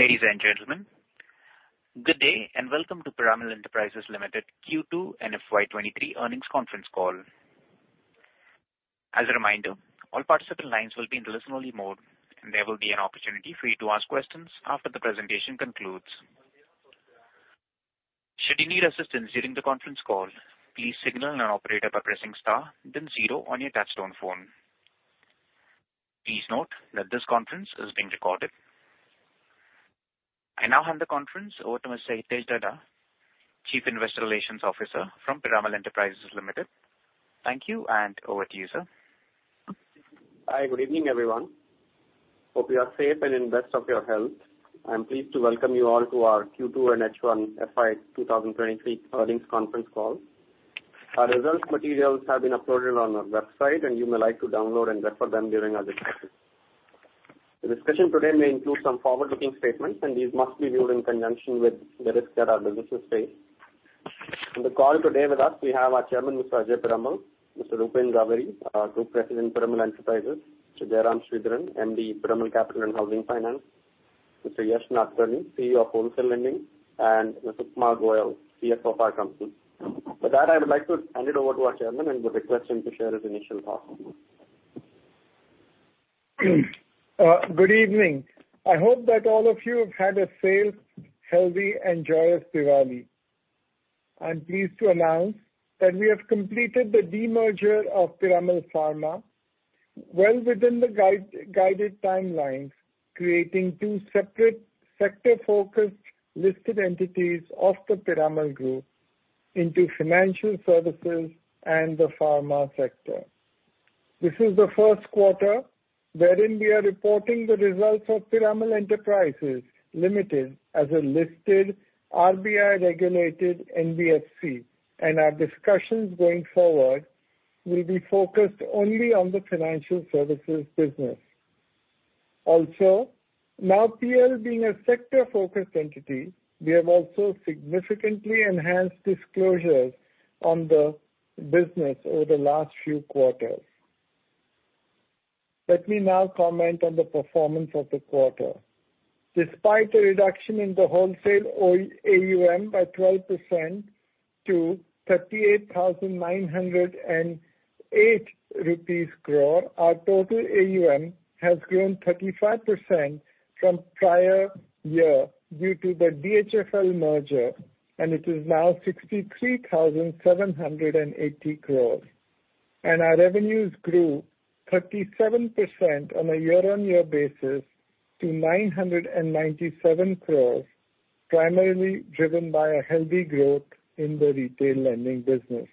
Ladies and gentlemen, good day and welcome to Piramal Enterprises Limited Q2 and FY 2023 earnings conference call. As a reminder, all participant lines will be in listen-only mode, and there will be an opportunity for you to ask questions after the presentation concludes. Should you need assistance during the conference call, please signal an operator by pressing star then zero on your touchtone phone. Please note that this conference is being recorded. I now hand the conference over to Mr. Hitesh Dhaddha, Chief Investor Relations Officer from Piramal Enterprises Limited. Thank you, and over to you, sir. Hi. Good evening, everyone. Hope you are safe and in best of your health. I'm pleased to welcome you all to our Q2 and H1 FY 2023 earnings conference call. Our results materials have been uploaded on our website, and you may like to download and refer them during our discussion. The discussion today may include some forward-looking statements, and these must be viewed in conjunction with the risks that our businesses face. On the call today with us we have our chairman, Mr. Ajay Piramal, Mr. Rupen Jhaveri, our group president, Piramal Enterprises, Mr. Jairam Sridharan, MD, Piramal Capital & Housing Finance, Mr. Yesh Nadkarni, CEO of Wholesale Lending, and Ms. Upma Goel, CFO of our company. With that, I would like to hand it over to our chairman and would request him to share his initial thoughts with us. Good evening. I hope that all of you have had a safe, healthy, and joyous Diwali. I'm pleased to announce that we have completed the demerger of Piramal Pharma well within the guided timelines, creating two separate sector-focused listed entities of the Piramal Group into financial services and the pharma sector. This is the first quarter wherein we are reporting the results of Piramal Enterprises Limited as a listed RBI-regulated NBFC, and our discussions going forward will be focused only on the financial services business. Also, now PL being a sector-focused entity, we have also significantly enhanced disclosures on the business over the last few quarters. Let me now comment on the performance of the quarter. Despite a reduction in the wholesale o... AUM by 12% to 38,908 crore rupees, our total AUM has grown 35% from prior year due to the DHFL merger, and it is now 63,780 crore. Our revenues grew 37% on a year-on-year basis to 997 crore, primarily driven by a healthy growth in the retail lending business.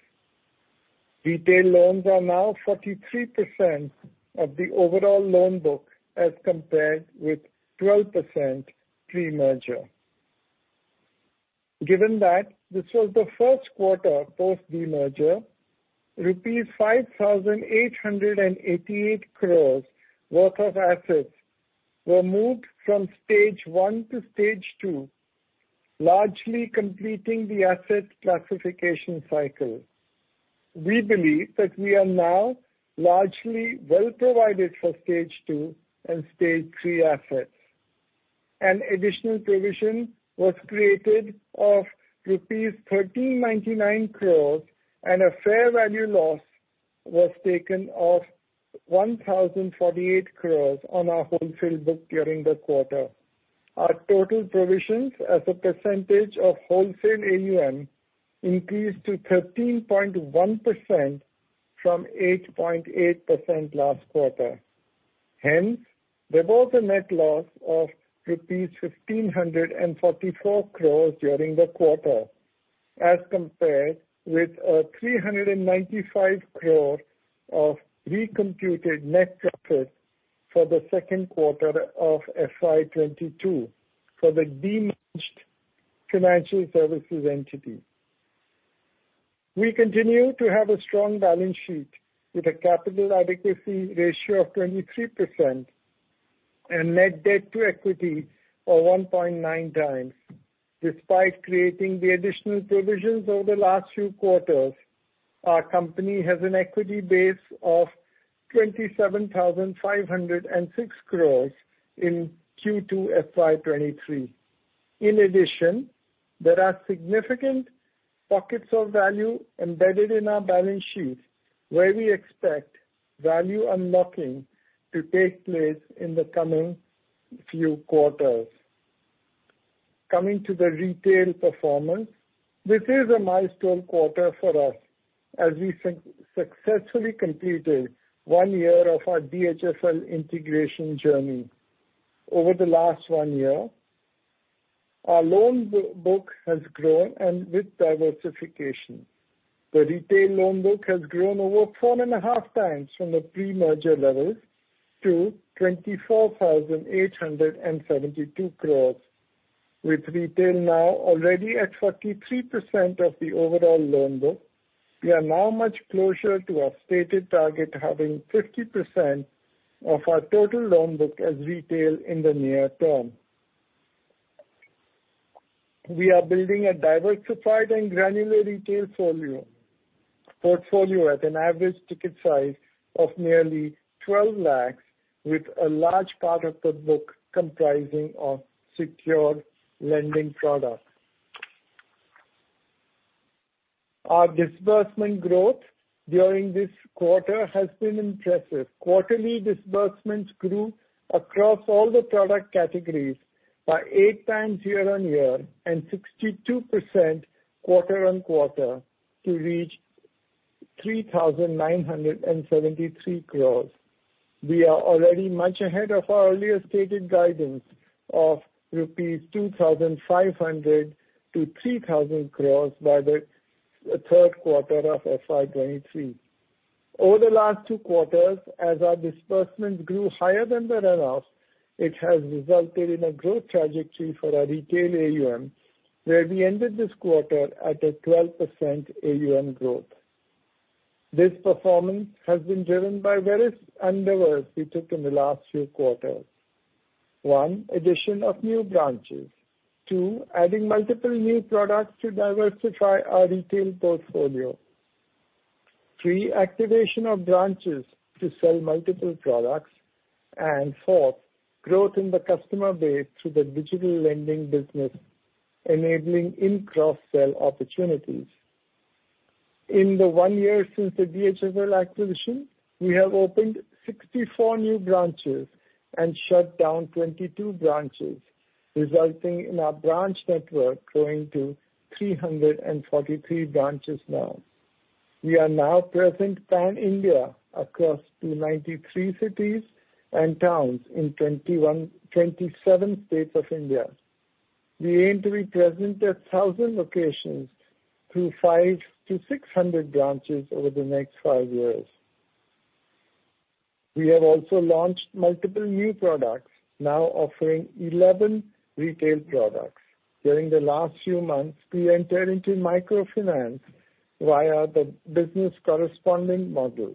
Retail loans are now 43% of the overall loan book, as compared with 12% pre-merger. Given that this was the first quarter post demerger, rupees 5,888 crore worth of assets were moved from Stage 1 to Stage 2, largely completing the asset classification cycle. We believe that we are now largely well provided for Stage 2 and Stage 3 assets. An additional provision was created of rupees 1,399 crore, and a fair value loss was taken of 1,048 crore on our wholesale book during the quarter. Our total provisions as a percentage of wholesale AUM increased to 13.1% from 8.8% last quarter. Hence, there was a net loss of rupees 1,544 crore during the quarter, as compared with 395 crore of recomputed net profit for the second quarter of FY 2022 for the demerged financial services entity. We continue to have a strong balance sheet with a capital adequacy ratio of 23% and net debt to equity of 1.9x. Despite creating the additional provisions over the last few quarters, our company has an equity base of 27,506 crore in Q2 FY 2023. In addition, there are significant pockets of value embedded in our balance sheet where we expect value unlocking to take place in the coming few quarters. Coming to the retail performance, this is a milestone quarter for us as we successfully completed one year of our DHFL integration journey. Over the last one year, our loan book has grown and with diversification. The retail loan book has grown over four and a half times from the pre-merger levels to 24,872 crores. With retail now already at 43% of the overall loan book, we are now much closer to our stated target, having 50% of our total loan book as retail in the near term. We are building a diversified and granular retail portfolio at an average ticket size of nearly 12 lakhs, with a large part of the book comprising of secured lending products. Our disbursement growth during this quarter has been impressive. Quarterly disbursements grew across all the product categories by 8x year-on-year and 62% quarter-on-quarter to reach 3,973 crores. We are already much ahead of our earlier stated guidance of 2,500-3,000 crores rupees by the third quarter of FY 2023. Over the last two quarters, as our disbursements grew higher than the run-offs, it has resulted in a growth trajectory for our retail AUM, where we ended this quarter at a 12% AUM growth. This performance has been driven by various endeavors we took in the last few quarters. One, addition of new branches. Two, adding multiple new products to diversify our retail portfolio. Three, activation of branches to sell multiple products. And fourth, growth in the customer base through the digital lending business, enabling in cross-sell opportunities. In the one year since the DHFL acquisition, we have opened 64 new branches and shut down 22 branches, resulting in our branch network growing to 343 branches now. We are now present pan-India across 293 cities and towns in 27 states of India. We aim to be present at 1,000 locations through 500-600 branches over the next five years. We have also launched multiple new products, now offering 11 retail products. During the last few months, we entered into microfinance via the business correspondent model.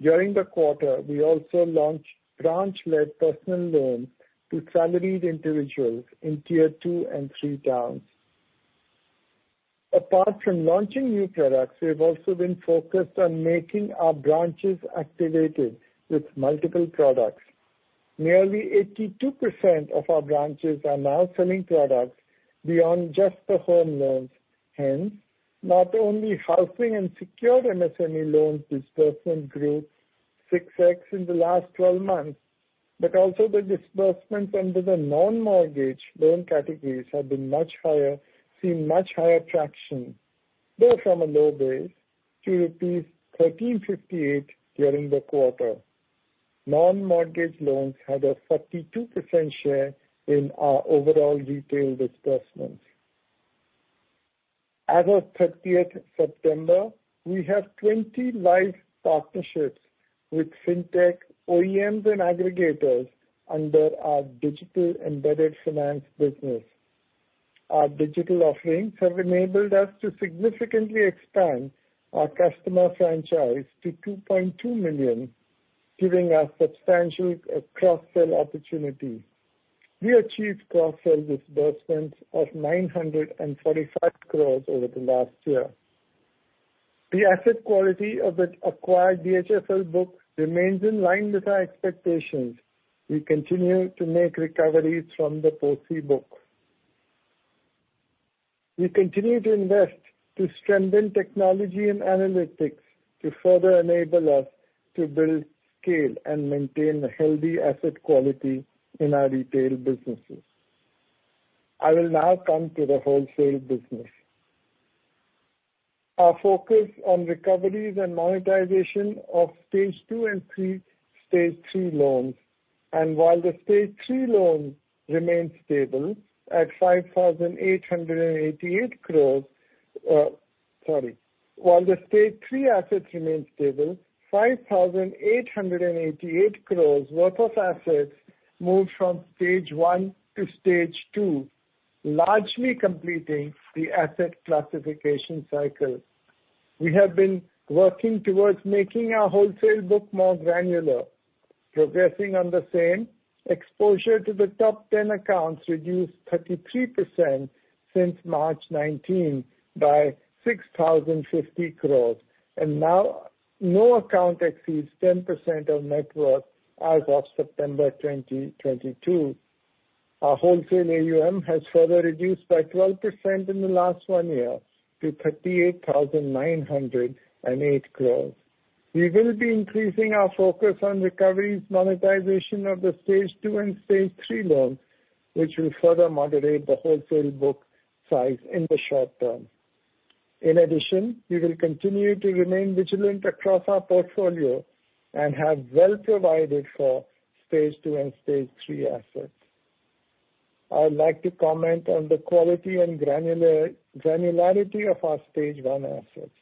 During the quarter, we also launched branch-led personal loans to salaried individuals in Tier 2 and Tier 3 towns. Apart from launching new products, we've also been focused on making our branches activated with multiple products. Nearly 82% of our branches are now selling products beyond just the home loans. Hence, not only housing and secured MSME loans disbursement grew 6x in the last 12 months, but also the disbursements under the non-mortgage loan categories have been much higher, seen much higher traction, though from a low base to INR 1,358 during the quarter. Non-mortgage loans had a 32% share in our overall retail disbursements. As of 30th September, we have 20 live partnerships with Fintech, OEMs, and aggregators under our digital embedded finance business. Our digital offerings have enabled us to significantly expand our customer franchise to 2.2 million, giving us substantial cross-sell opportunity. We achieved cross-sell disbursements of 945 crore over the last year. The asset quality of the acquired DHFL book remains in line with our expectations. We continue to make recoveries from the POSI book. We continue to invest to strengthen technology and analytics to further enable us to build, scale, and maintain a healthy asset quality in our retail businesses. I will now come to the wholesale business. Our focus on recoveries and monetization of Stage 2 and Stage 3, Stage 3 loans. While the Stage 3 assets remain stable, 5,888 crores worth of assets moved from Stage 1 to Stage 2, largely completing the asset classification cycle. We have been working towards making our wholesale book more granular. Progressing on the same, exposure to the top ten accounts reduced 33% since March 2019 by 6,050 crores, and now no account exceeds 10% of net worth as of September 2022. Our wholesale AUM has further reduced by 12% in the last one year to 38,908 crores. We will be increasing our focus on recoveries monetization of the Stage 2 and Stage 3 loans, which will further moderate the wholesale book size in the short term. In addition, we will continue to remain vigilant across our portfolio and have well provided for Stage 2 and Stage 3 assets. I would like to comment on the quality and granularity of our Stage 1 assets.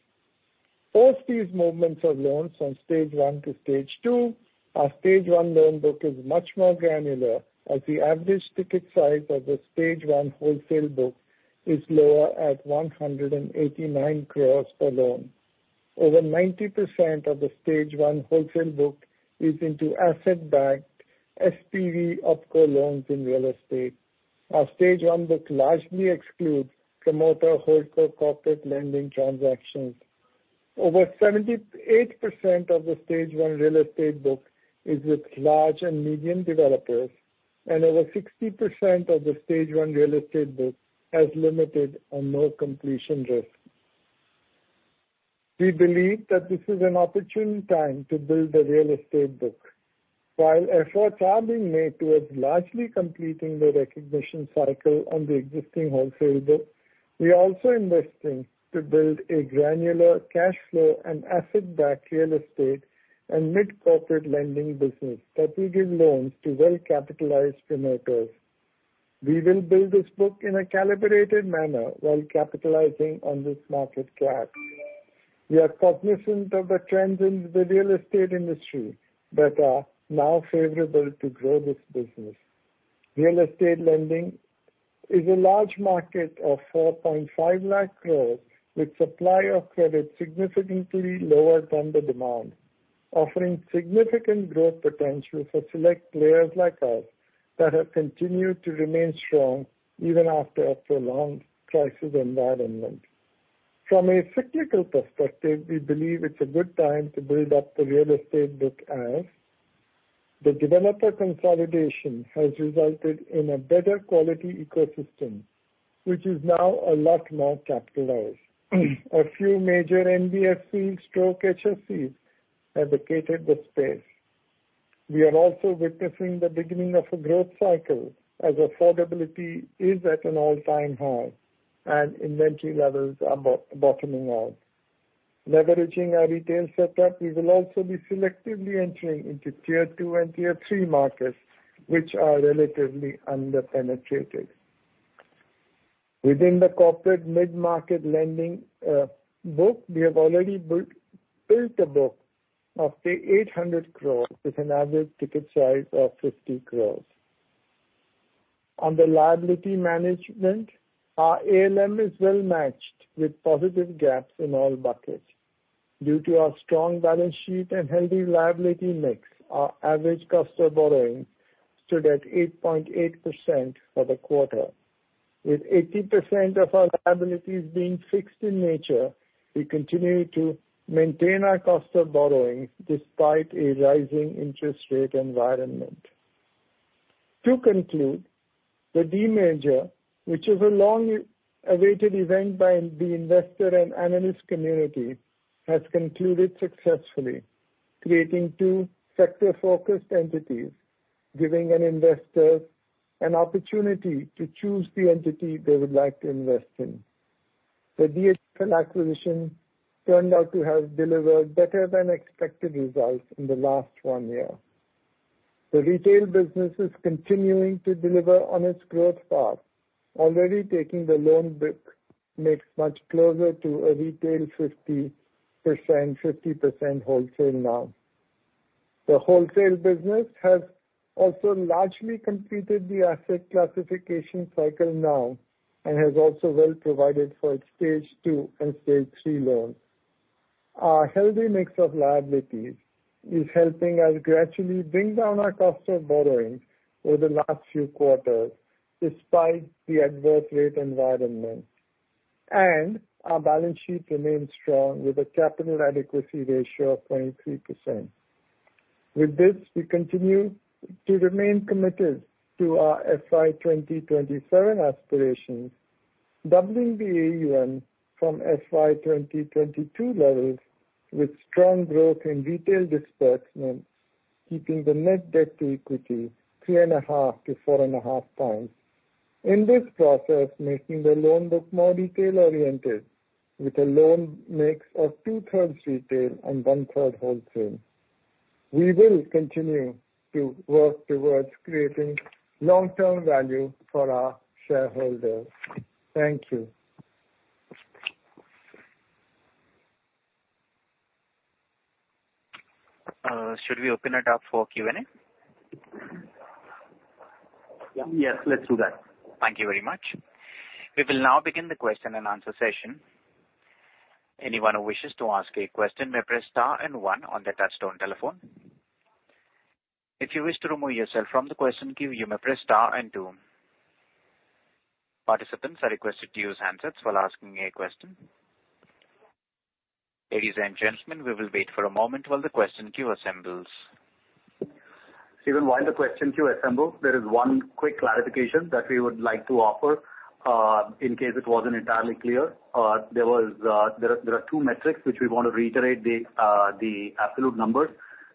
Post these movements of loans from Stage 1 to Stage 2, our Stage 1 loan book is much more granular as the average ticket size of the Stage 1 wholesale book is lower at 189 crores per loan. Over 90% of the Stage 1 wholesale book is into asset-backed SPV Opco loans in real estate. Our Stage 1 book largely excludes promoter holdco corporate lending transactions. Over 78% of the Stage 1 real estate book is with large and medium developers, and over 60% of the Stage 1 real estate book has limited or no completion risk. We believe that this is an opportune time to build the real estate book. While efforts are being made towards largely completing the recognition cycle on the existing wholesale book, we are also investing to build a granular cash flow and asset-backed real estate and mid-corporate lending business that will give loans to well-capitalized promoters. We will build this book in a calibrated manner while capitalizing on this market gap. We are cognizant of the trends in the real estate industry that are now favorable to grow this business. Real estate lending is a large market of 4.5 lakh crores, with supply of credit significantly lower than the demand, offering significant growth potential for select players like us that have continued to remain strong even after a prolonged crisis environment. From a cyclical perspective, we believe it's a good time to build up the real estate book as the developer consolidation has resulted in a better quality ecosystem, which is now a lot more capitalized. A few major NBFCs/HFCs have vacated the space. We are also witnessing the beginning of a growth cycle as affordability is at an all-time high and inventory levels are bottoming out. Leveraging our retail setup, we will also be selectively entering into Tier 2 and Tier 3 markets which are relatively under-penetrated. Within the corporate mid-market lending book, we have already built a book of, say, 800 crore with an average ticket size of 50 crore. On the liability management, our ALM is well matched with positive gaps in all buckets. Due to our strong balance sheet and healthy liability mix, our average cost of borrowing stood at 8.8% for the quarter. With 80% of our liabilities being fixed in nature, we continue to maintain our cost of borrowing despite a rising interest rate environment. To conclude, the demerger, which is a long-awaited event by the investor and analyst community, has concluded successfully, creating two sector-focused entities, giving an investor an opportunity to choose the entity they would like to invest in. The DHFL acquisition turned out to have delivered better than expected results in the last one year. The retail business is continuing to deliver on its growth path, already taking the loan book mix much closer to a retail 50%, 50% wholesale now. The wholesale business has also largely completed the asset classification cycle now and has also well provided for its Stage 2 and Stage 3 loans. Our healthy mix of liabilities is helping us gradually bring down our cost of borrowing over the last few quarters despite the adverse rate environment. Our balance sheet remains strong with a capital adequacy ratio of 23%. With this, we continue to remain committed to our FY2027 aspirations, doubling the AUM from FY 2022 levels with strong growth in retail disbursement, keeping the net debt to equity 3.5x-4.5x. In this process, making the loan book more retail-oriented with a loan mix of 2/3 retail and 1/3 wholesale. We will continue to work towards creating long-term value for our shareholders. Thank you. Should we open it up for Q&A? Yes, let's do that. Thank you very much. We will now begin the question-and-answer session. Anyone who wishes to ask a question may press star and one on their touchtone telephone. If you wish to remove yourself from the question queue, you may press star and two. Participants are requested to use handsets while asking a question. Ladies and gentlemen, we will wait for a moment while the question queue assembles. Steven, while the question queue assembles, there is one quick clarification that we would like to offer in case it wasn't entirely clear. There are two metrics which we wanna reiterate, the absolute numbers.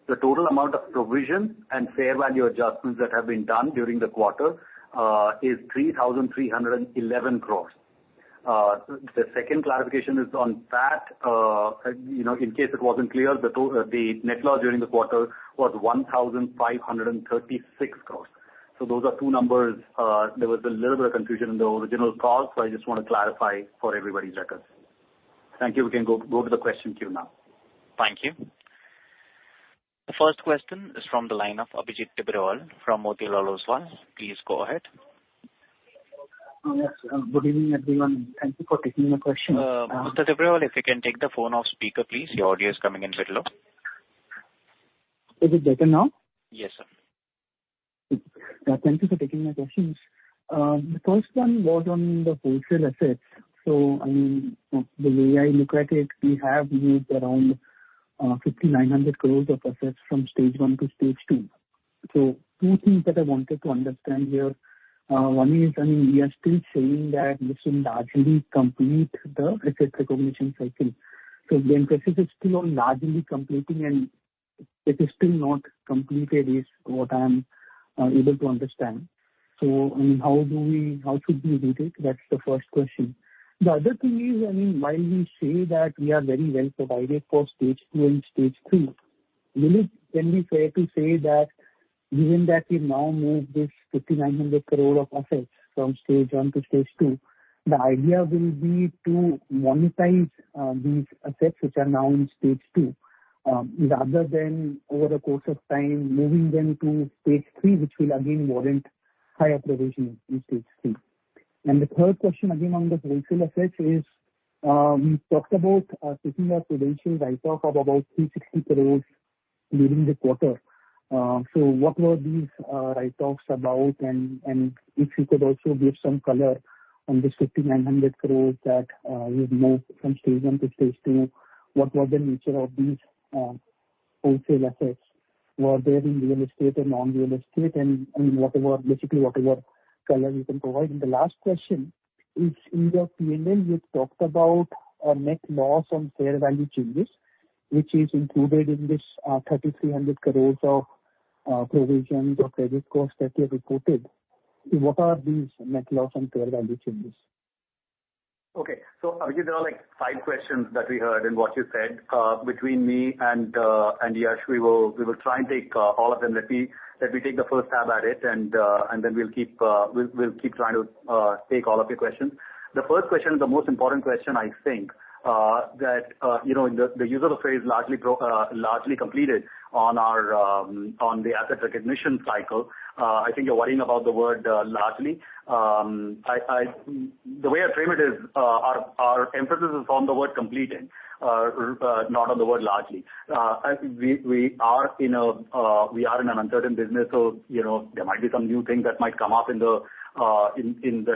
The total amount of provision and fair value adjustments that have been done during the quarter is 3,311 crores. The second clarification is on that. You know, in case it wasn't clear, the net loss during the quarter was 1,536 crores. So those are two numbers. There was a little bit of confusion in the original call, so I just wanna clarify for everybody's records. Thank you. We can go to the question queue now. Thank you. The first question is from the line of Abhijit Tibrewal from Motilal Oswal. Please go ahead. Yes. Good evening, everyone. Thank you for taking my questions. Mr. Tibrewal, if you can take the phone off speaker, please. Your audio is coming in a bit low. Is it better now? Yes, sir. Good. Thank you for taking my questions. The first one was on the wholesale assets. I mean, the way I look at it, we have moved around 5,900 crore of assets from Stage 1 to Stage 2. Two things that I wanted to understand here. One is, I mean, we are still saying that this will largely complete the asset recognition cycle. The emphasis is still on largely completing, and it is still not completed, is what I'm able to understand. I mean, how should we read it? That's the first question. The other thing is, I mean, while we say that we are very well provided for Stage 2 and Stage 3, will it then be fair to say that given that we've now moved this 5,900 crore of assets from Stage 1 to Stage 2, the idea will be to monetize these assets which are now in Stage 2 rather than over the course of time moving them to Stage 3, which will again warrant higher provisions in Stage 3? The third question again on the wholesale assets is, you talked about taking a prudential write-off of about 360 crore during the quarter. So what were these write-offs about? If you could also give some color on this 5,900 crore that you've moved from Stage 1 to Stage 2, what was the nature of these wholesale assets? Were they in real estate or non-real estate? I mean, whatever, basically, whatever color you can provide. The last question is, in your P&L, you've talked about a net loss on fair value changes, which is included in this 3,300 crore of provisions or credit costs that you have reported. What are these net loss on fair value changes? Okay. Abhijit, there are like five questions that we heard in what you said. Between me and Yash, we will try and take all of them. Let me take the first stab at it, and then we'll keep trying to take all of your questions. The first question is the most important question, I think, that you know, the use of the phrase largely completed on our asset recognition cycle. I think you're worrying about the word largely. The way I frame it is, our emphasis is on the word completed, not on the word largely. I think we are in an uncertain business, so you know, there might be some new things that might come up in the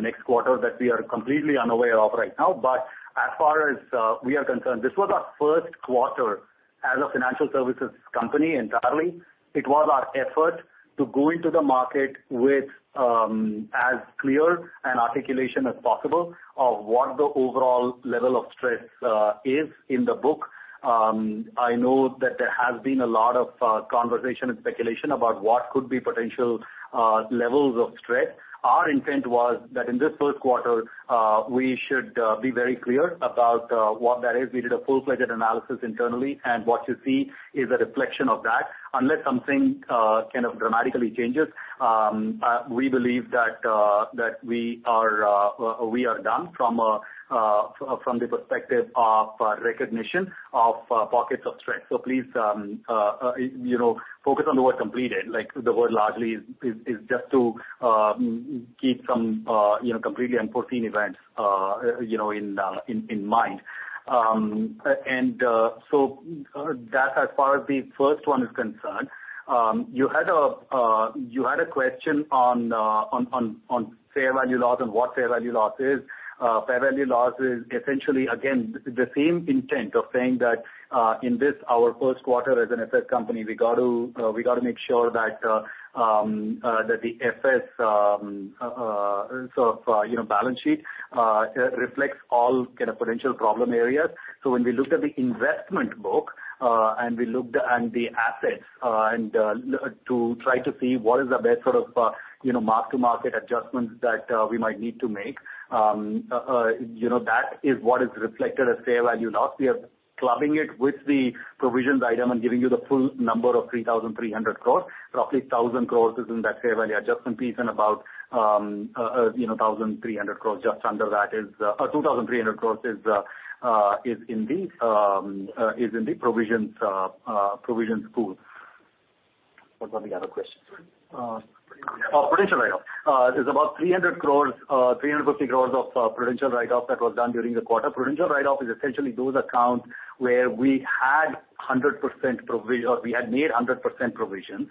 next quarter that we are completely unaware of right now. As far as we are concerned, this was our first quarter as a financial services company entirely. It was our effort to go into the market with as clear an articulation as possible of what the overall level of stress is in the book. I know that there has been a lot of conversation and speculation about what could be potential levels of stress. Our intent was that in this first quarter, we should be very clear about what that is. We did a full-fledged analysis internally, and what you see is a reflection of that. Unless something kind of dramatically changes, we believe that we are done from the perspective of recognition of pockets of stress. Please, you know, focus on the word completed, like the word largely is just to keep some you know, completely unforeseen events you know in mind. That as far as the first one is concerned. You had a question on fair value loss and what fair value loss is. Fair value loss is essentially again, the same intent of saying that, in this our first quarter as an asset company, we got to make sure that the FS sort of you know balance sheet reflects all kind of potential problem areas. When we looked at the investment book, and we looked at the assets, to try to see what is the best sort of you know mark-to-market adjustments that we might need to make, that is what is reflected as fair value loss. We are clubbing it with the provisions item and giving you the full number of 3,300 crores. Roughly 1,000 crore is in that fair value adjustment piece and about, you know, 1,300 crore just under that is, 2,300 crore is in the provisions pool. What were the other questions? Sure. Prudential write-off. There's about 300 crores, 350 crores of prudential write-off that was done during the quarter. Prudential write-off is essentially those accounts where we had 100% provision or we had made 100% provisions.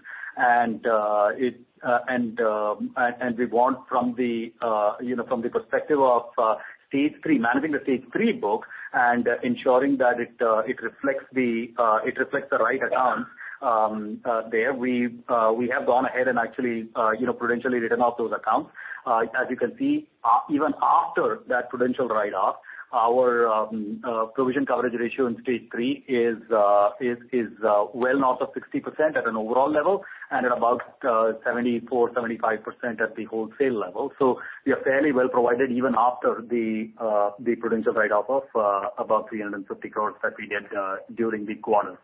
We want from the, you know, from the perspective of Stage 3, managing the Stage 3 book and ensuring that it reflects the right accounts there. We have gone ahead and actually, you know, prudentially written off those accounts. As you can see, even after that prudential write-off, our provision coverage ratio in Stage 3 is well north of 60% at an overall level and at about 74%-75% at the wholesale level. We are fairly well provided even after the prudential write-off of about 350 crores that we did during the quarter.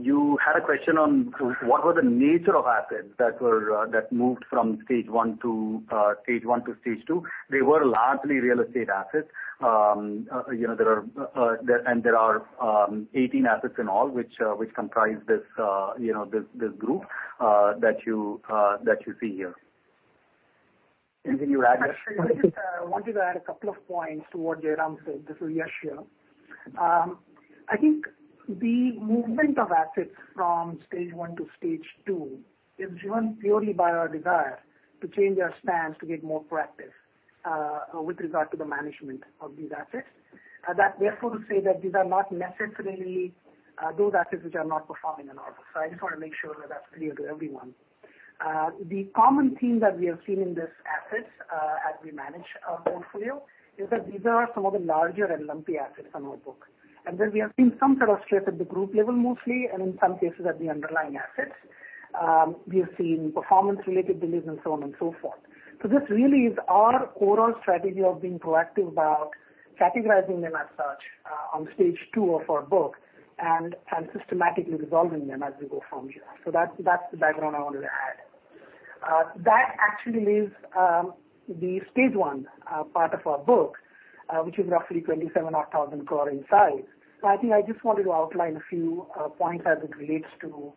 You had a question on what were the nature of assets that moved from Stage 1 to Stage 2. They were largely real estate assets. You know, there are 18 assets in all which comprise this, you know, this group that you see here. Anything you add? I just wanted to add a couple of points to what Jairam said. This is Yash here. I think the movement of assets from Stage 1 to Stage 2 is driven purely by our desire to change our stance to get more proactive with regard to the management of these assets. That is to say that these are not necessarily those assets which are not performing in order. I just wanna make sure that that's clear to everyone. The common theme that we have seen in these assets as we manage our portfolio is that these are some of the larger and lumpy assets on our book. We have seen some sort of stress at the group level mostly, and in some cases at the underlying assets. We have seen performance-related delays and so on and so forth. This really is our overall strategy of being proactive about categorizing them as such, on Stage 2 of our book and systematically resolving them as we go from here. That's the background I wanted to add. That actually leaves the Stage 1 part of our book, which is roughly 27,000 crore in size. I think I just wanted to outline a few points as it relates to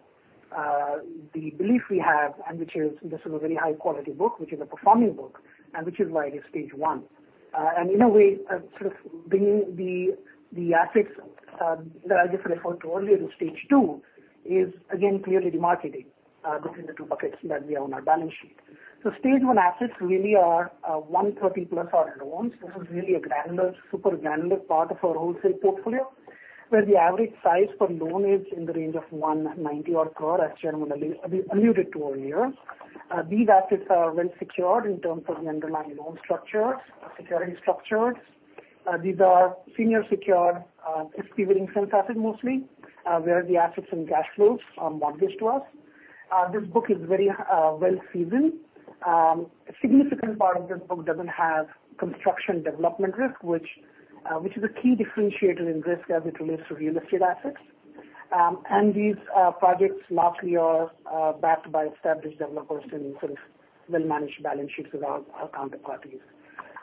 the belief we have and which is this is a very high quality book, which is a performing book, and which is why it is Stage 1. In a way, sort of bringing the assets that I just referred to earlier to Stage 2 is again clearly demarcating between the two buckets that we have on our balance sheet. Stage 1 assets really are 130+ crore loans. This is really a granular, super granular part of our wholesale portfolio, where the average size per loan is in the range of 190-odd crore, as Chairman alluded to earlier. These assets are well secured in terms of the underlying loan structures, security structures. These are senior secured, SPV-linked assets mostly, where the assets and cash flows are mortgaged to us. This book is very well seasoned. A significant part of this book doesn't have construction development risk, which is a key differentiator in risk as it relates to real estate assets. These projects largely are backed by established developers and sort of well-managed balance sheets with our counterparties.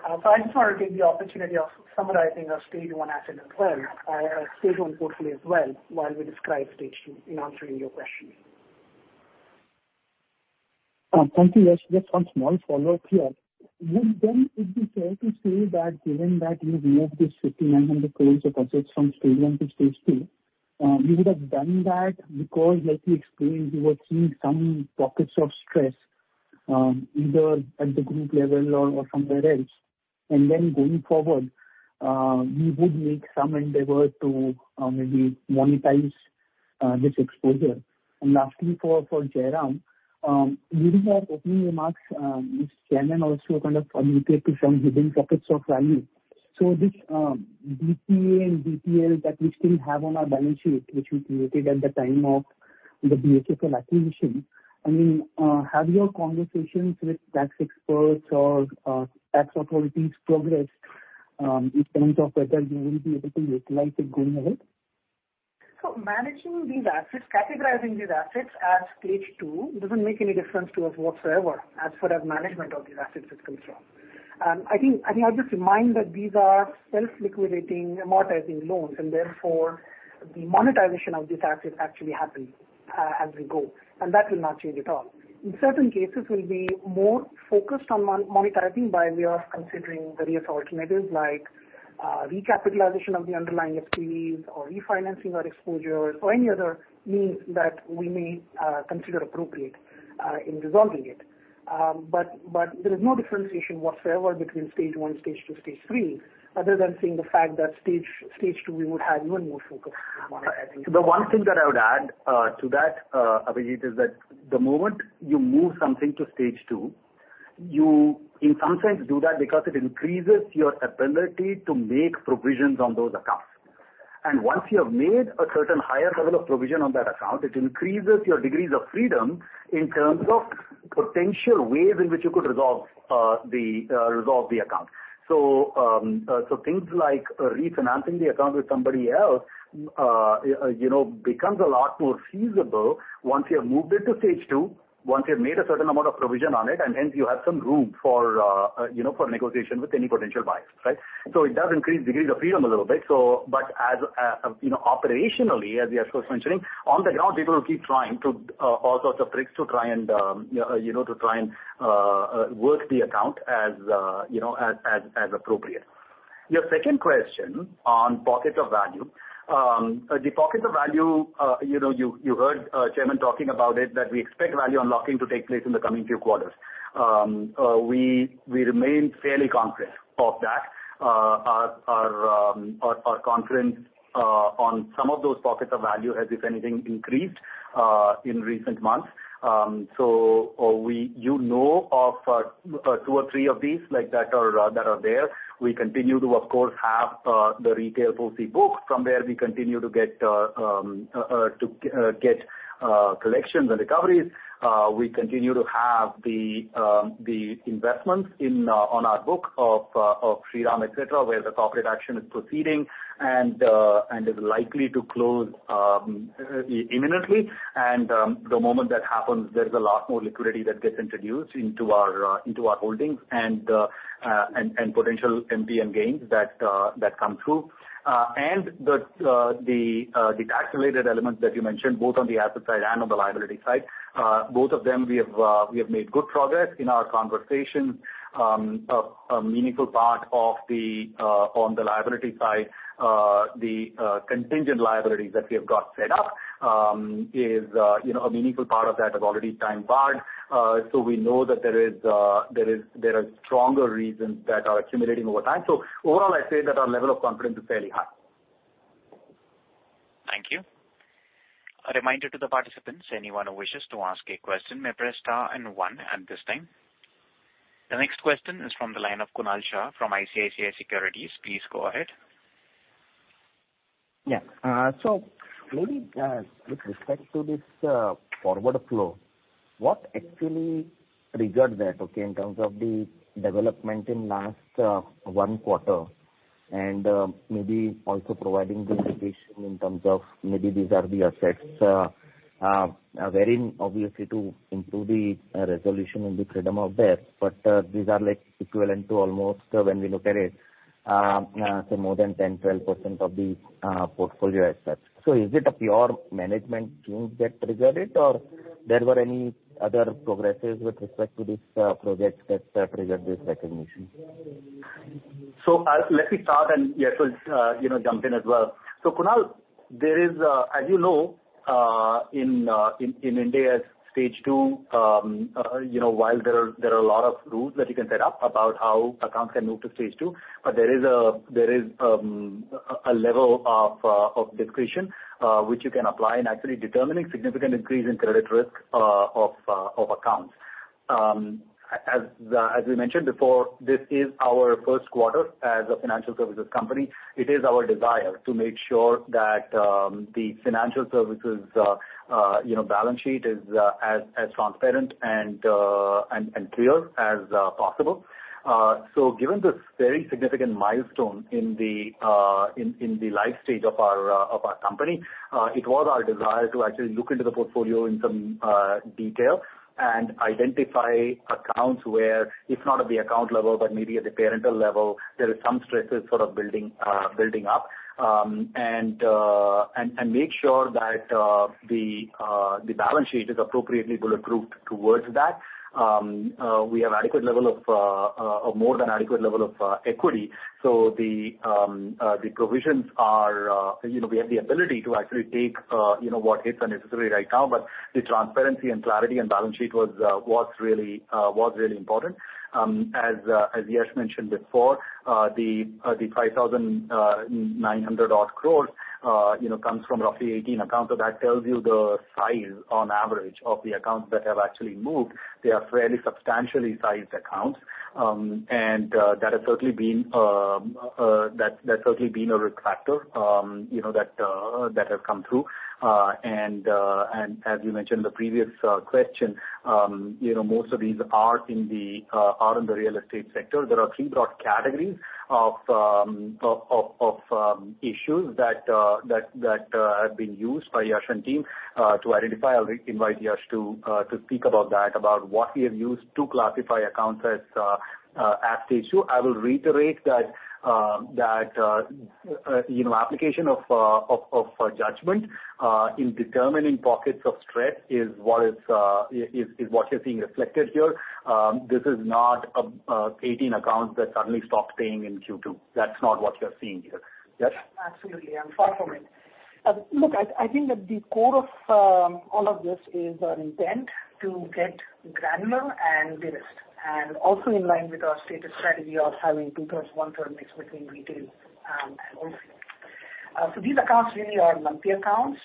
I just want to take the opportunity of summarizing our Stage 1 portfolio as well, while we describe Stage two in answering your question. Thank you, Yesh. Just one small follow-up here. Would it be fair to say that given that you've moved this 5,900 crores of assets from Stage 1 to Stage 2, you would have done that because, as you explained, you were seeing some pockets of stress, either at the group level or somewhere else. Then going forward, you would make some endeavor to maybe monetize this exposure. Lastly for Jairam, during your opening remarks, Chairman also kind of alluded to some hidden pockets of value. This DTA and DTL that we still have on our balance sheet, which we created at the time of the DHFL acquisition, have your conversations with tax experts or tax authorities progressed in terms of whether you will be able to utilize it going ahead? Managing these assets, categorizing these assets as Stage 2 doesn't make any difference to us whatsoever as far as management of these assets is concerned. I think I'll just remind that these are self-liquidating amortizing loans and therefore the monetization of these assets actually happens as we go, and that will not change at all. In certain cases, we'll be more focused on monetizing by way of considering various alternatives like recapitalization of the underlying SPVs or refinancing our exposures or any other means that we may consider appropriate in resolving it. There is no differentiation whatsoever between Stage 1, Stage 2, Stage 3, other than saying the fact that Stage 2 we would have even more focus on monetizing. The one thing that I would add to that, Abhijit, is that the moment you move something to Stage 2, you in some sense do that because it increases your ability to make provisions on those accounts. Once you have made a certain higher level of provision on that account, it increases your degrees of freedom in terms of potential ways in which you could resolve the account. Things like refinancing the account with somebody else, you know, becomes a lot more feasible once you have moved it to Stage 2, once you've made a certain amount of provision on it, and hence you have some room for, you know, for negotiation with any potential buyers, right? It does increase degrees of freedom a little bit. Operationally, as we are sort of mentioning, on the ground, people will keep trying to all sorts of tricks to try and work the account as you know, as appropriate. Your second question on pockets of value. The pockets of value, you know, you heard Chairman talking about it, that we expect value unlocking to take place in the coming few quarters. We remain fairly confident of that. Our confidence on some of those pockets of value has, if anything, increased in recent months. You know of 2 or 3 of these like that are there. We continue to, of course, have the retail FC book. From there we continue to get collections and recoveries. We continue to have the investments on our book of Shriram, et cetera, where the corporate action is proceeding and is likely to close imminently. The moment that happens, there's a lot more liquidity that gets introduced into our holdings and potential NPM gains that come through. The accelerated elements that you mentioned, both on the asset side and on the liability side. Both of them, we have made good progress in our conversations. A meaningful part of the contingent liabilities on the liability side that we have got set up is, you know, a meaningful part of that has already time-barred. We know that there are stronger reasons that are accumulating over time. Overall, I'd say that our level of confidence is fairly high. Thank you. A reminder to the participants, anyone who wishes to ask a question may press star and one at this time. The next question is from the line of Kunal Shah from ICICI Securities. Please go ahead. Yeah. Maybe with respect to this forward flow, what actually triggered that, okay? In terms of the development in last one quarter, and maybe also providing the indication in terms of maybe these are the assets wherein obviously to improve the resolution and the freedom from debt. These are like equivalent to almost when we look at it, so more than 10%-12% of the portfolio assets. Is it a pure management change that triggered it, or there were any other progresses with respect to this project that triggered this recognition? Let me start, and Yesh will, you know, jump in as well. Kunal, there is, as you know, in India's Stage 2, while there are a lot of rules that you can set up about how accounts can move to Stage 2, but there is a level of discretion which you can apply in actually determining significant increase in credit risk of accounts. As we mentioned before, this is our first quarter as a financial services company. It is our desire to make sure that the financial services balance sheet is as transparent and clear as possible. Given this very significant milestone in the life stage of our company, it was our desire to actually look into the portfolio in some detail and identify accounts where, if not at the account level, but maybe at the parental level, there is some stresses sort of building up. Make sure that the balance sheet is appropriately bulletproof towards that. We have more than adequate level of equity. The provisions are, you know, we have the ability to actually take, you know, what hits are necessary right now, but the transparency and clarity and balance sheet was really important. As Yash mentioned before, the 5,900-odd crore, you know, comes from roughly 18 accounts. That tells you the size on average of the accounts that have actually moved. They are fairly substantially sized accounts. That's certainly been a risk factor, you know, that has come through. As you mentioned in the previous question, you know, most of these are in the real estate sector. There are three broad categories of issues that have been used by Yash and team to identify. I'll invite Yash to speak about that, about what we have used to classify accounts as at Stage 2. I will reiterate that you know application of judgment in determining pockets of stress is what you're seeing reflected here. This is not 18 accounts that suddenly stopped paying in Q2. That's not what you're seeing here. Yesh? Absolutely, far from it. Look, I think that the core of all of this is an intent to get granular and de-risked, and also in line with our stated strategy of having two-thirds, one-third mix between retail and wholesale. So these accounts really are lumpy accounts.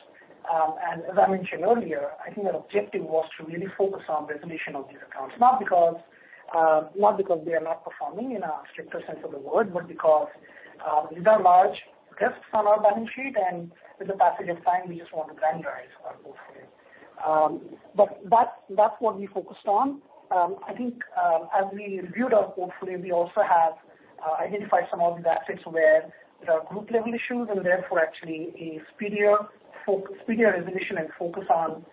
As I mentioned earlier, I think our objective was to really focus on resolution of these accounts, not because they are not performing in a stricter sense of the word, but because these are large risks on our balance sheet, and with the passage of time, we just want to granularize our portfolio. That's what we focused on. I think, as we reviewed our portfolio, we also have identified some of the assets where there are group level issues and therefore actually a speedier resolution and focus on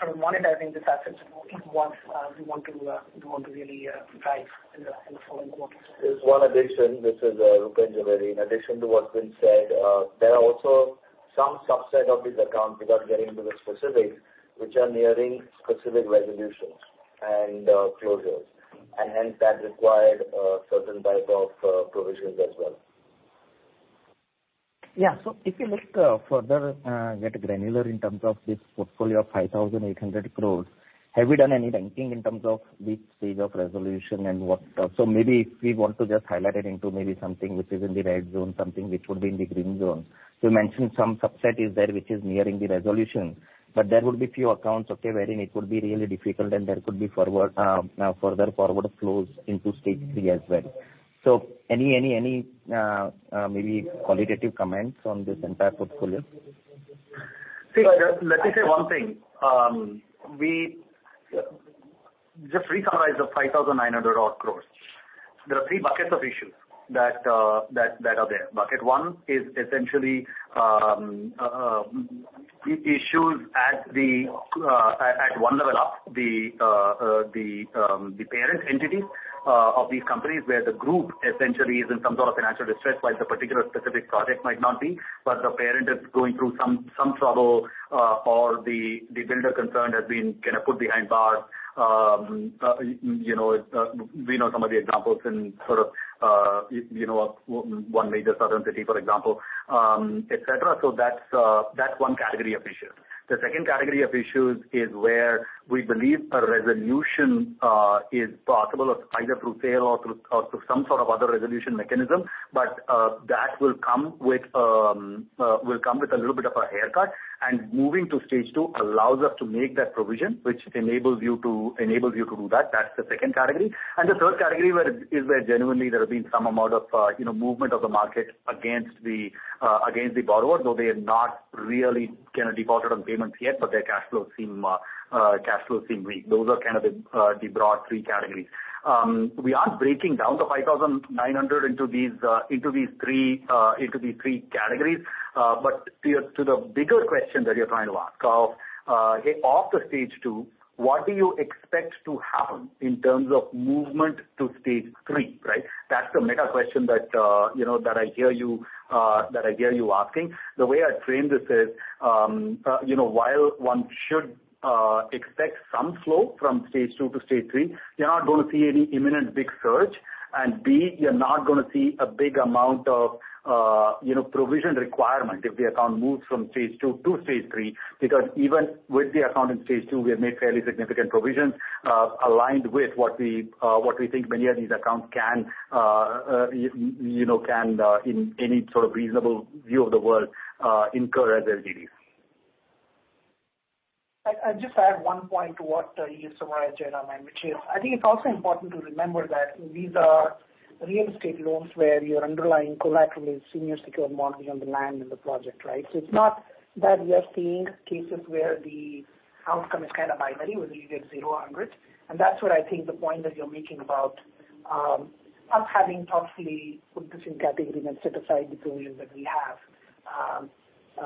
sort of monetizing these assets is what we want to really drive in the following quarters. Just one addition. This is Rupen Jhaveri. In addition to what's been said, there are also some subset of these accounts, without getting into the specifics, which are nearing specific resolutions and closures. Hence that required a certain type of provisions as well. Yeah. If you look further, get granular in terms of this portfolio of 5,800 crores, have you done any ranking in terms of which stage of resolution and what? If we want to just highlight it into maybe something which is in the red zone, something which would be in the green zone. You mentioned some subset is there, which is nearing the resolution, but there will be few accounts, okay, wherein it would be really difficult, and there could be further forward flows into Stage 3 as well. Any maybe qualitative comments on this entire portfolio? See, let me say one thing. We just recognized the 5,900-odd crores. There are three buckets of issues that are there. Bucket one is essentially issues at one level up the parent entities of these companies, where the group essentially is in some sort of financial distress, while the particular specific project might not be. But the parent is going through some trouble, or the builder concerned has been kind of put behind bars. You know, we know some of the examples in sort of you know one major southern city, for example, et cetera. That's one category of issues. The second category of issues is where we believe a resolution is possible either through sale or through some sort of other resolution mechanism. That will come with a little bit of a haircut. Moving to Stage 2 allows us to make that provision, which enables you to do that. That's the second category. The third category is where genuinely there have been some amount of you know movement of the market against the borrower, though they have not really kind of defaulted on payments yet, but their cash flows seem weak. Those are kind of the broad three categories. We are breaking down the 5,900 into these three categories. To the bigger question that you're trying to ask off the Stage 2, what do you expect to happen in terms of movement to Stage 3, right? That's the mega question that you know that I hear you asking. The way I'd frame this is, you know, while one should expect some flow from Stage 2 to Stage 3, you're not gonna see any imminent big surge. B, you're not gonna see a big amount of you know provision requirement if the account moves from Stage 2 to Stage 3. Because even with the account in Stage 2, we have made fairly significant provisions, aligned with what we think many of these accounts can, you know, in any sort of reasonable view of the world, incur as LGDs. I'd just add one point to what you summarized there, Jairam, which is I think it's also important to remember that these are real estate loans where your underlying collateral is senior secured mortgage on the land and the project, right? So it's not that we are seeing cases where the outcome is kind of binary where you get zero or hundred. That's what I think the point that you're making about us having thoughtfully put this in category and set aside the provision that we have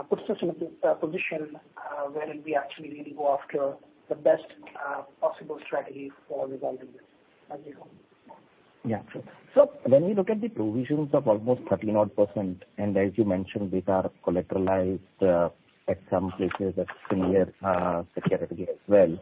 puts us in a position where we actually really go after the best possible strategy for resolving this as we go. Yeah. When we look at the provisions of almost 13 odd percent, and as you mentioned, these are collateralized at some places at senior security as well.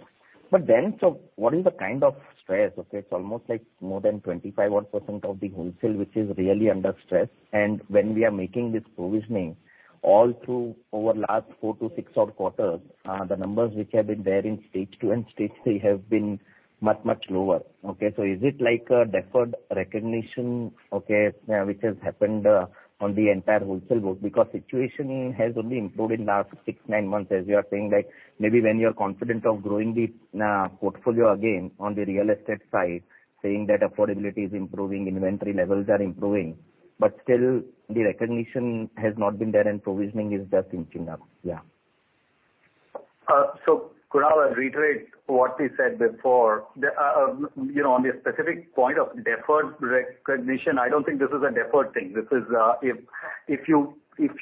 What is the kind of stress? Okay, it's almost like more than 25 odd percent of the wholesale which is really under stress. When we are making this provisioning all through over last four to six odd quarters, the numbers which have been there in Stage 2 and Stage 3 have been much, much lower. Okay, is it like a deferred recognition, okay, which has happened on the entire wholesale book? Because situation has only improved in last six, nine months, as you are saying, like, maybe when you're confident of growing the portfolio again on the real estate side, saying that affordability is improving, inventory levels are improving, but still the recognition has not been there and provisioning is just inching up. Yeah. Could I reiterate what we said before? The you know, on the specific point of deferred recognition, I don't think this is a deferred thing. This is, if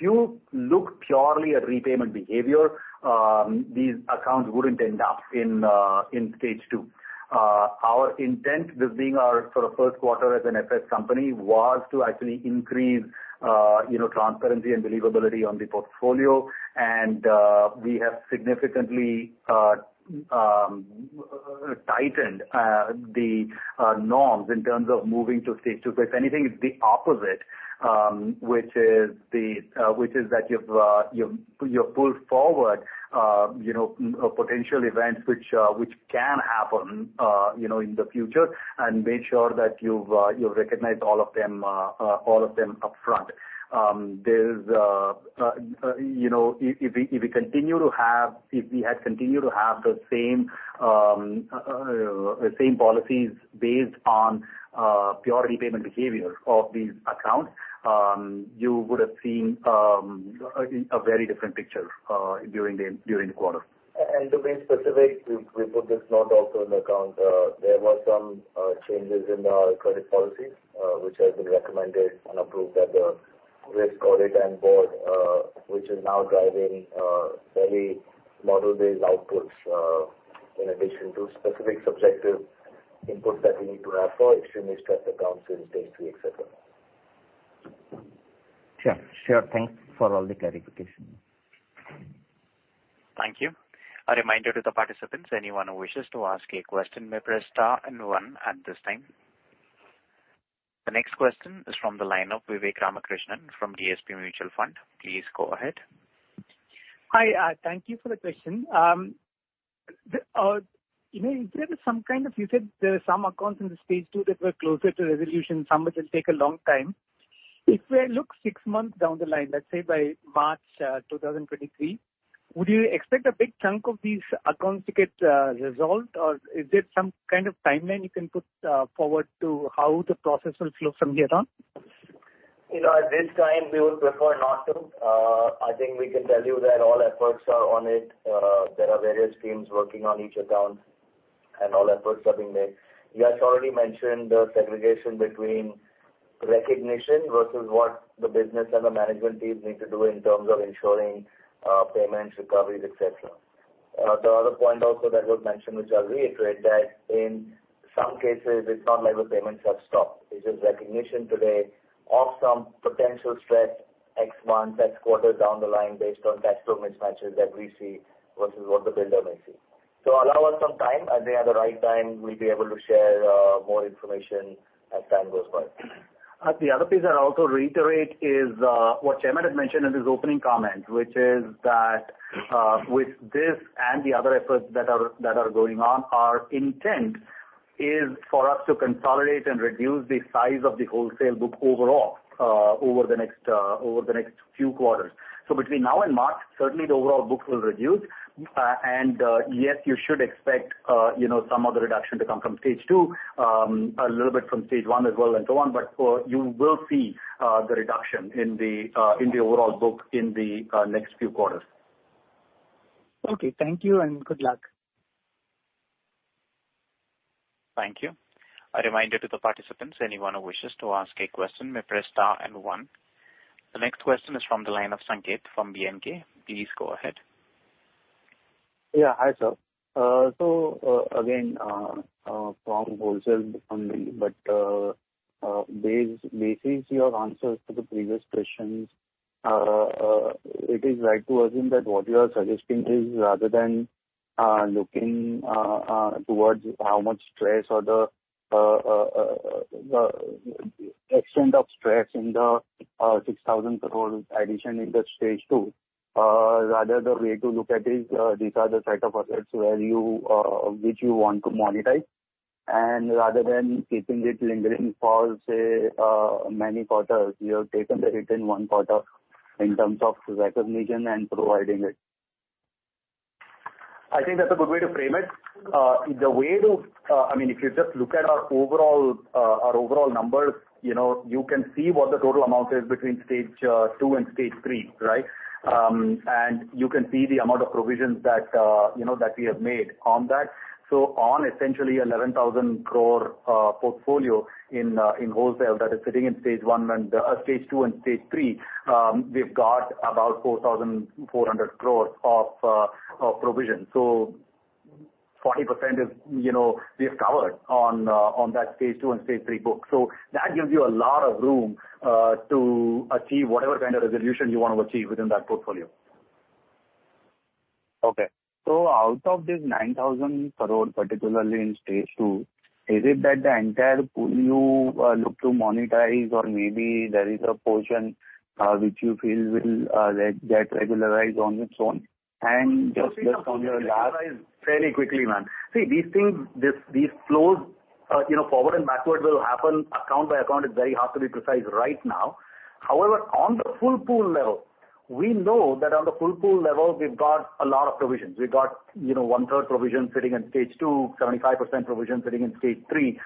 you look purely at repayment behavior, these accounts wouldn't end up in Stage 2. Our intent, this being our sort of first quarter as an FS company, was to actually increase you know, transparency and believability on the portfolio. We have significantly tightened the norms in terms of moving to Stage 2. If anything, it's the opposite, which is that you've pulled forward, you know, potential events which can happen, you know, in the future, and made sure that you've recognized all of them upfront. There's, you know, if we had continued to have the same policies based on pure repayment behavior of these accounts, you would have seen a very different picture during the quarter. To be specific, we put this note also in the account. There were some changes in our credit policy, which has been recommended and approved at the risk audit and board, which is now driving fairly model-based outputs, in addition to specific subjective inputs that we need to have for extremely stressed accounts in Stage 3, et cetera. Sure. Sure. Thanks for all the clarification. Thank you. A reminder to the participants, anyone who wishes to ask a question may press star and one at this time. The next question is from the line of Vivek Ramakrishnan from DSP Mutual Fund. Please go ahead. Hi, thank you for the question. You know, you said there are some accounts in the stage two that were closer to resolution, some which will take a long time. If we look six months down the line, let's say by March 2023, would you expect a big chunk of these accounts to get resolved? Or is there some kind of timeline you can put forward to how the process will flow from here on? You know, at this time we would prefer not to. I think we can tell you that all efforts are on it. There are various teams working on each account, and all efforts are being made. Yash already mentioned the segregation between recognition versus what the business and the management teams need to do in terms of ensuring payments, recoveries, et cetera. The other point also that was mentioned, which I'll reiterate, that in some cases it's not like the payments have stopped. It's just recognition today of some potential stress X months, X quarters down the line based on cash flow mismatches that we see versus what the builder may see. Allow us some time, and at the right time we'll be able to share more information as time goes by. The other piece I'll also reiterate is what Chairman has mentioned in his opening comments, which is that with this and the other efforts that are going on, our intent is for us to consolidate and reduce the size of the wholesale book overall over the next few quarters. Between now and March, certainly the overall book will reduce. Yes, you should expect, you know, some of the reduction to come from Stage 2, a little bit from Stage 1 as well, and so on. You will see the reduction in the overall book in the next few quarters. Okay. Thank you and good luck. Thank you. A reminder to the participants, anyone who wishes to ask a question may press star and one. The next question is from the line of Sanket from B&K. Please go ahead. Yeah. Hi, sir. Again, from wholesale only, but basing your answers to the previous questions, it is right to assume that what you are suggesting is rather than looking towards how much stress or the extent of stress in the 6,000 crore addition in the Stage 2, rather the way to look at is these are the set of assets which you want to monetize. Rather than keeping it lingering for, say, many quarters, you have taken the hit in one quarter in terms of recognition and providing it. I think that's a good way to frame it. I mean, if you just look at our overall numbers, you know, you can see what the total amount is between Stage 2 and Stage 3, right? You can see the amount of provisions that you know that we have made on that. On essentially 11,000 crore portfolio in wholesale that is sitting in Stage 1 and Stage 2 and Stage 3, we've got about 4,400 crores of provision. 40% is, you know, we have covered on that Stage 2 and Stage 3 book. That gives you a lot of room to achieve whatever kind of resolution you wanna achieve within that portfolio. Okay. Out of this 9,000 crore, particularly in Stage 2, is it that the entire pool you look to monetize or maybe there is a portion which you feel will get regularized on its own? Just based on your last Very quickly, man. See these things, these flows, you know, forward and backward will happen account by account. It's very hard to be precise right now. However, on the full pool level, we know that we've got a lot of provisions. We've got, you know, one-third provision sitting in Stage 2, 75% provision sitting in Stage 3.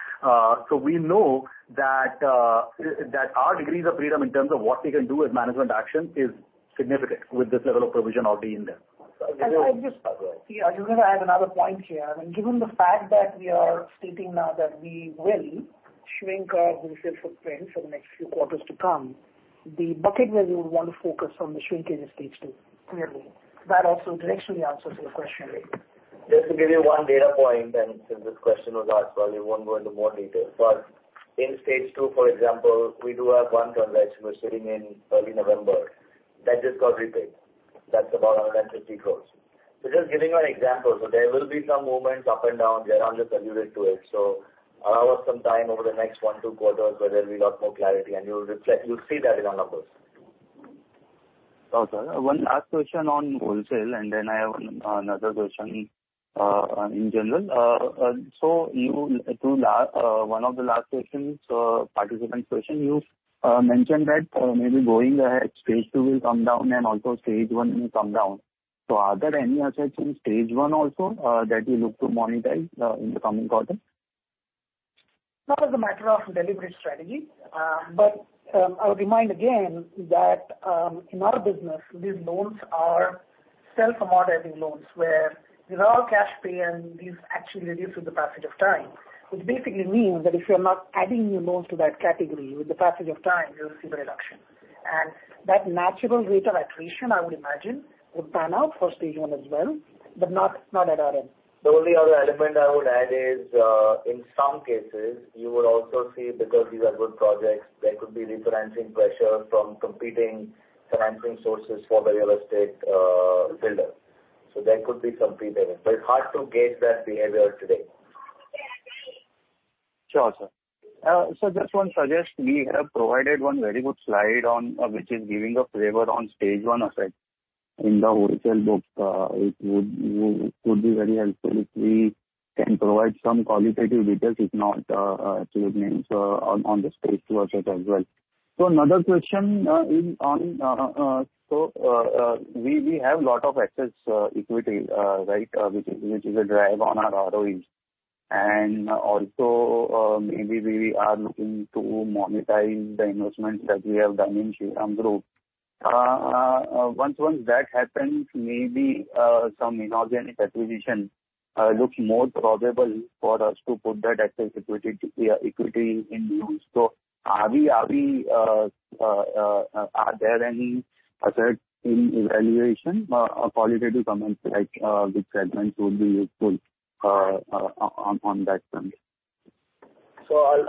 So we know that our degrees of freedom in terms of what we can do as management action is significant with this level of provision already in there. And I just- Go ahead. Yeah. I just wanna add another point here. I mean, given the fact that we are stating now that we will shrink our wholesale footprint for the next few quarters to come, the bucket where you would want to focus on the shrinkage is Stage 2, clearly. That also directionally answers your question. Just to give you one data point, and since this question was asked, well, we won't go into more detail. In Stage 2, for example, we do have one transaction which was sitting in early November that just got repaid. That's about 150 crores. Just giving you an example. There will be some movements up and down. Jairam Sridharan just alluded to it. Allow us some time over the next one, two quarters where there'll be lot more clarity and you'll reflect, you'll see that in our numbers. Oh, sorry. One last question on wholesale, and then I have another question in general. In one of the last questions, participant's question, you mentioned that maybe going ahead, Stage 2 will come down and also Stage 1 will come down. Are there any assets in Stage 1 also that you look to monetize in the coming quarters? That is a matter of deliberate strategy. I would remind again that in our business these loans are self-amortizing loans, where with all cash pay and these actually reduce with the passage of time. Which basically means that if you're not adding new loans to that category, with the passage of time, you'll see the reduction. That natural rate of attrition, I would imagine, would pan out for Stage 1 as well, but not at RM. The only other element I would add is, in some cases you would also see, because these are good projects, there could be refinancing pressure from competing financing sources for the real estate builder. There could be some prepayment, but it's hard to gauge that behavior today. Sure, sir. Just one suggestion. We have provided one very good slide, which is giving a flavor on Stage 1 assets. In the wholesale books, it would be very helpful if we can provide some qualitative details, if not actual names, on the Stage 2 assets as well. Another question is on we have a lot of excess equity right, which is a drag on our ROEs. Also, maybe we are looking to monetize the investments that we have done in Shriram Group. Once that happens, maybe some inorganic acquisition looks more probable for us to put that excess equity to good use. Are we evaluating any assets? A qualitative comments like which segments would be useful on that front.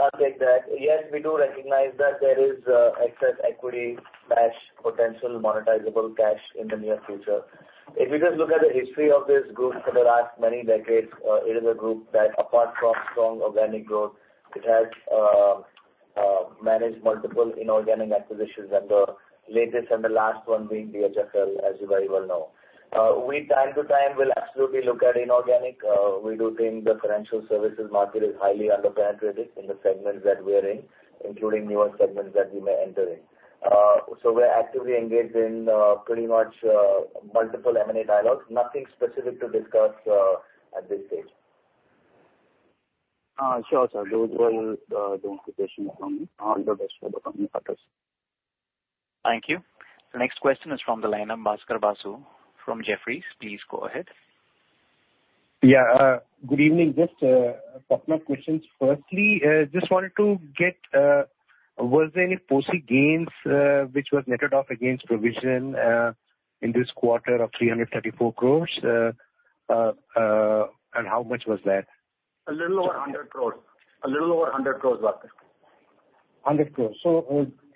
I'll take that. Yes, we do recognize that there is excess equity, cash, potential monetizable cash in the near future. If you just look at the history of this group for the last many decades, it is a group that apart from strong organic growth, it has managed multiple inorganic acquisitions and the latest and the last one being DHFL, as you very well know. We from time to time will absolutely look at inorganic. We do think the financial services market is highly underpenetrated in the segments that we are in, including newer segments that we may enter in. We're actively engaged in pretty much multiple M&A dialogues. Nothing specific to discuss at this stage. Sure, sir. Those were the only two questions from me. All the best for the company. Thanks. Thank you. The next question is from the line of Bhaskar Basu from Jefferies. Please go ahead. Yeah. Good evening. Just a couple of questions. Firstly, just wanted to get, was there any POSI gains, which was netted off against provision, in this quarter of 334 crore? How much was that? A little over 100 crore, Bhaskar. 100 crores.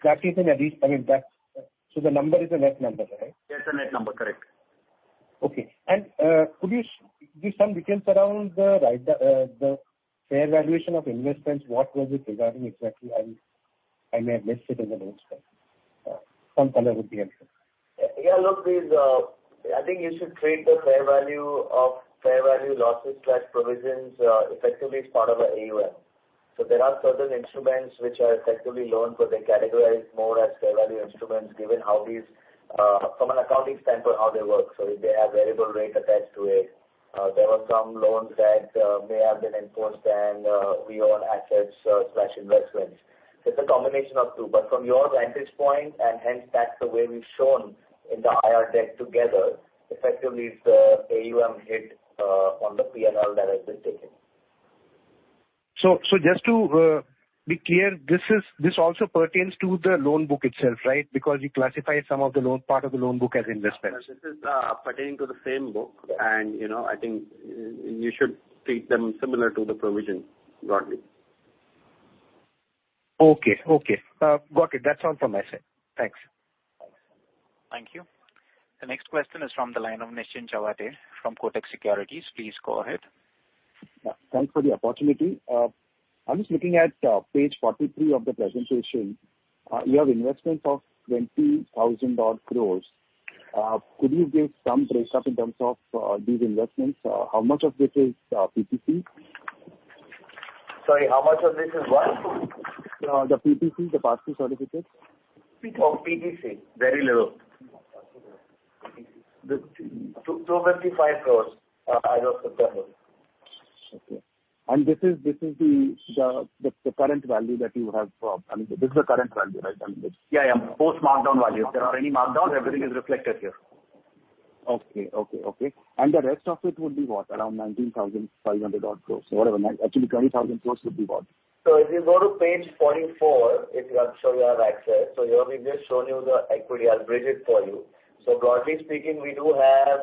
That is at least, I mean, that's. The number is a net number, right? It's a net number, correct. Okay. Could you give some details around the fair valuation of investments? What was it regarding exactly? I may have missed it in the notes. Some color would be helpful. Yeah, look, these, I think you should treat the fair value losses/provisions effectively as part of our AUM. There are certain instruments which are effectively loans, but they're categorized more as fair value instruments given how these from an accounting standpoint, how they work. If they have variable rate attached to it. There were some loans that may have been enforced and we own assets slash investments. It's a combination of two. From your vantage point, and hence that's the way we've shown in the IR deck together, effectively it's the AUM hit on the PNL that has been taken. Just to be clear, this is, this also pertains to the loan book itself, right? Because you classify some of the loan, part of the loan book as investments. This is pertaining to the same book. You know, I think you should treat them similar to the provision, broadly. Okay. Got it. That's all from my side. Thanks. Thank you. The next question is from the line of Nischint Chawathe from Kotak Securities. Please go ahead. Thanks for the opportunity. I'm just looking at page 43 of the presentation. You have investments of 20,000 odd crores. Could you give some breakup in terms of these investments? How much of this is PTC? Sorry, how much of this is what? The PTC, the Pass-Through Certificates. Oh, PTC. Very little. INR 2,255 crores as of September. Okay. This is the current value, right? Yeah, yeah. Post markdown value. If there are any markdowns, everything is reflected here. Okay. The rest of it would be what? Around 19,500 odd crores or whatever. Actually, 20,000 crores would be what? If you go to page 44, I'm sure you have access. Here we've just shown you the equity. I'll read it for you. Broadly speaking, we do have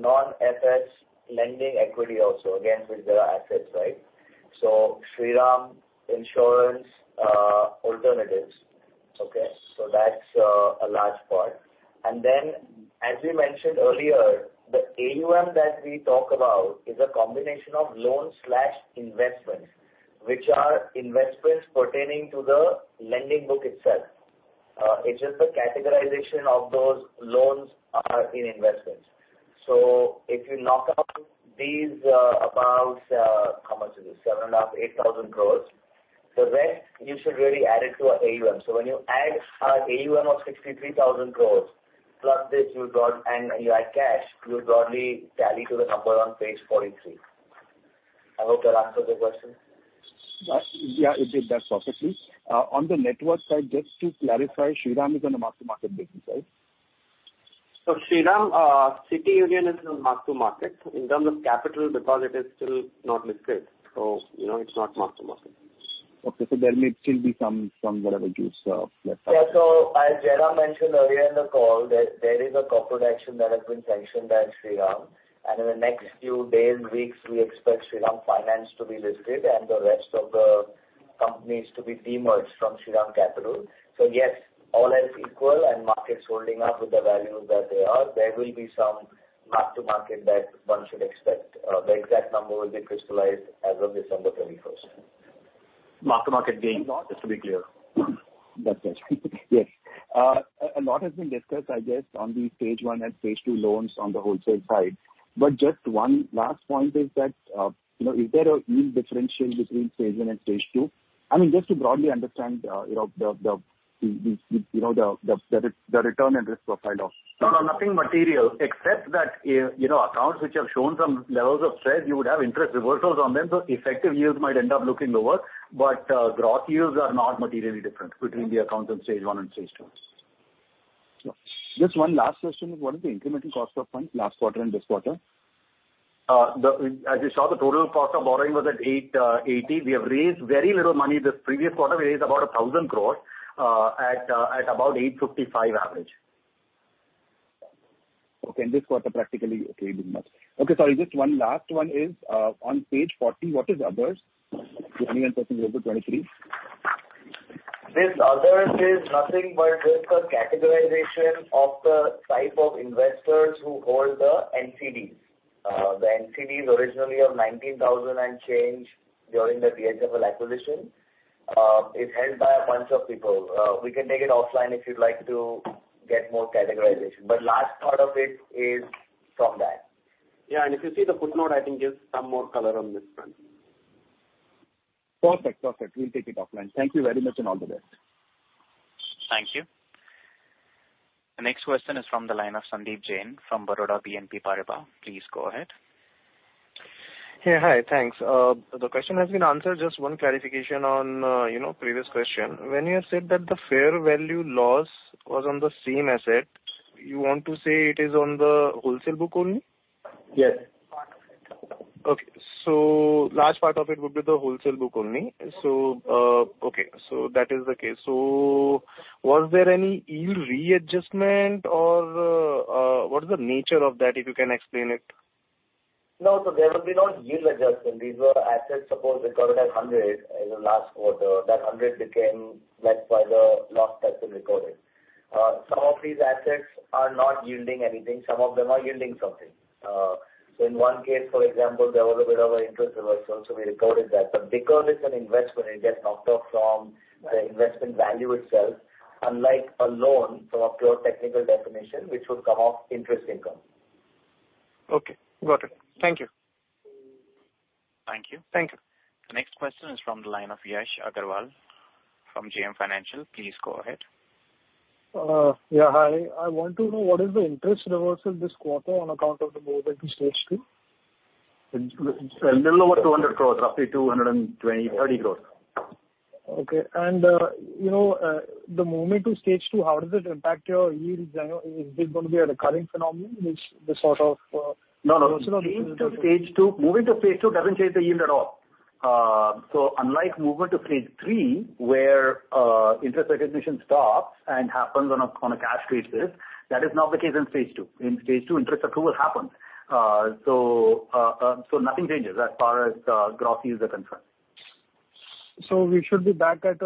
non-FS lending equity also, against which there are assets, right? Shriram General Insurance, Alternatives. Okay? That's a large part. As we mentioned earlier, the AUM that we talk about is a combination of loans/investments, which are investments pertaining to the lending book itself. It's just the categorization of those loans are in investments. If you knock out these, about how much is this? 7,500-8,000 crores. The rest you should really add it to our AUM. When you add our AUM of 63,000 crores plus this, you've got. You add cash, you'll broadly tally to the number on page 43. I hope that answers your question. Yeah, it did. That's perfectly. On the network side, just to clarify, Shriram is on a mark-to-market basis, right? Shriram City Union is a mark-to-market in terms of capital because it is still not listed. You know, it's not mark-to-market. Okay. There may still be some leverages left out. Yeah. As Jairam mentioned earlier in the call, there is a corporate action that has been sanctioned at Shriram. In the next few days, weeks, we expect Shriram Finance to be listed and the rest of the companies to be demerged from Shriram Capital. Yes, all else equal and markets holding up with the values that they are, there will be some mark-to-market that one should expect. The exact number will be crystallized as of December 21st. Mark-to-market gains, just to be clear. That's right. Yes. A lot has been discussed, I guess, on the Stage 1 and Stage 2 loans on the wholesale side. Just one last point is that, is there a yield differential between Stage 1 and Stage 2? I mean, just to broadly understand, the return and risk profile of No, no, nothing material except that, you know, accounts which have shown some levels of stress, you would have interest reversals on them, so effective yields might end up looking lower. Growth yields are not materially different between the accounts in Stage 1 and Stage 2. Just one last question. What is the incremental cost of funds last quarter and this quarter? As you saw, the total cost of borrowing was at 8.80%. We have raised very little money this previous quarter. We raised about 1,000 crore at about 8.55% average. Okay. This quarter practically raising much. Okay. Sorry. Just one last one is on page 40, what is others? 21% over 23%. This others is nothing but just a categorization of the type of investors who hold the NCDs. The NCDs originally of 19,000 and change during the DHFL acquisition is held by a bunch of people. We can take it offline if you'd like to get more categorization, but large part of it is from that. Yeah. If you see the footnote, I think gives some more color on this front. Perfect. We'll take it offline. Thank you very much, and all the best. Thank you. The next question is from the line of Sandeep Jain from Baroda BNP Paribas. Please go ahead. Yeah. Hi. Thanks. The question has been answered. Just one clarification on, you know, previous question. When you have said that the fair value loss was on the same asset, you want to say it is on the wholesale book only? Yes. Part of it. Okay. Large part of it would be the wholesale book only. Okay. That is the case. Was there any yield readjustment or, what is the nature of that, if you can explain it? No. There will be no yield adjustment. These were assets, suppose, recorded as 100 in the last quarter. That 100 became less by the loss that's been recorded. Some of these assets are not yielding anything, some of them are yielding something. In one case, for example, there was a bit of an interest reversal, so we recorded that. Because it's an investment, it gets knocked off from the investment value itself, unlike a loan from a pure technical definition, which would come off interest income. Okay. Got it. Thank you. Thank you. Thank you. The next question is from the line of Yash Agarwal from JM Financial. Please go ahead. Hi. I want to know what is the interest reversal this quarter on account of the move into Stage 2? A little over 200 crore. Roughly 220-230 crore. Okay. You know, the movement to Stage 2, how does it impact your yields? I know, is this gonna be a recurring phenomenon, this sort of No, no. Change to Stage 2, moving to Stage 2 doesn't change the yield at all. Unlike moving to Stage 3, where interest recognition stops and happens on a cash basis, that is not the case in Stage 2. In Stage 2, interest accrual happens. Nothing changes as far as gross yields are concerned. We should be back at,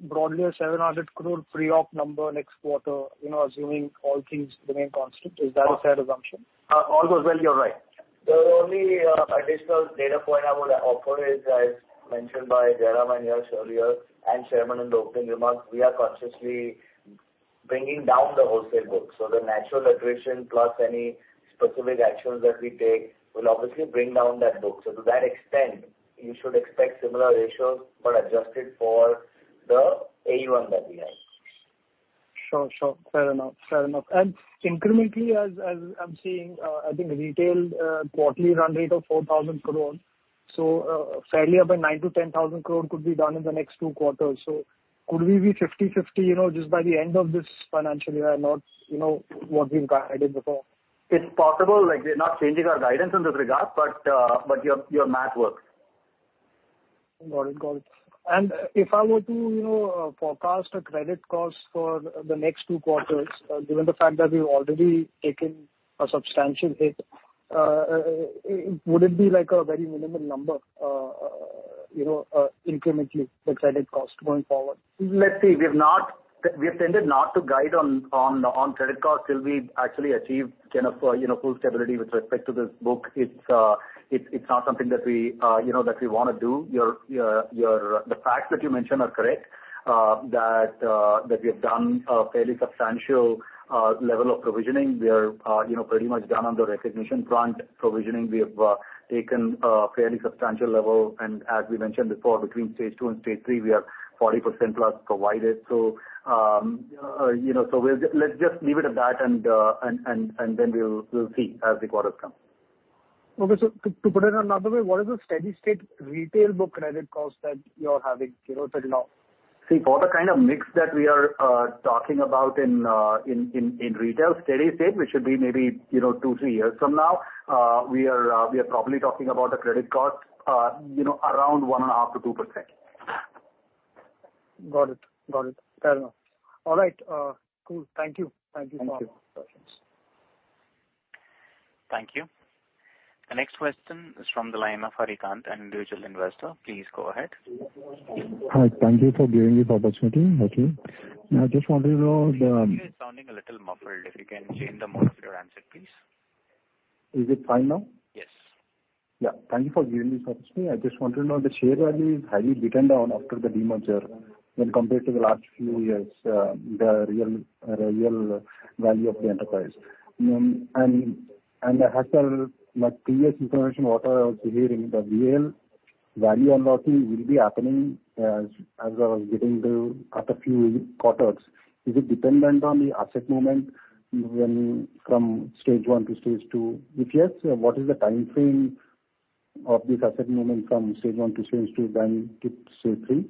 broadly, 700 crore pre-op number next quarter, you know, assuming all things remain constant. Is that a fair assumption? All goes well, you're right. The only additional data point I would offer is, as mentioned by Jairam and Yash earlier and Chairman in the opening remarks, we are consciously bringing down the wholesale book. The natural attrition plus any specific actions that we take will obviously bring down that book. To that extent, you should expect similar ratios but adjusted for the AUM that we have. Sure. Fair enough. Incrementally as I'm seeing, I think retail quarterly run rate of 4,000 crores. Fairly about 9,000-10,000 crores could be done in the next two quarters. Could we be 50/50, you know, just by the end of this financial year, not, you know, what we've guided before? It's possible. Like, we're not changing our guidance in this regard, but your math works. Got it. If I were to, you know, forecast a credit cost for the next two quarters, given the fact that we've already taken a substantial hit, would it be like a very minimal number, you know, incrementally the credit cost going forward? We have tended not to guide on credit cost till we've actually achieved kind of full stability with respect to this book. It's not something that we wanna do. The facts that you mentioned are correct, that we have done a fairly substantial level of provisioning. We are pretty much done on the recognition front. Provisioning, we have taken a fairly substantial level. As we mentioned before, between Stage 2 and Stage 3, we are 40%+ provided. Let's just leave it at that and then we'll see as the quarters come. Okay. To put it another way, what is the steady state retail book credit cost that you're having, you know, till now? See, for the kind of mix that we are talking about in retail steady state, which should be maybe, you know, two to three years from now, we are probably talking about the credit cost, you know, around 1.5%-2%. Got it. Fair enough. All right. Cool. Thank you. Thank you so much. Thank you. Thank you. The next question is from the line of Harikant, an individual investor. Please go ahead. Hi. Thank you for giving this opportunity. Thank you. I just wanted to know. Sorry. You're sounding a little muffled. If you can change the mode of your handset, please. Is it fine now? Yes. Yeah. Thank you for giving me 15. I just want to know the share value is highly beaten down after the demerger when compared to the last few years, the real value of the enterprise. As per my previous information, what I was hearing the real value unlocking will be happening as I was getting the other few quarters. Is it dependent on the asset movement from Stage 1 to Stage 2? If yes, what is the time frame of this asset movement from Stage 1 to Stage 2 then to Stage 3?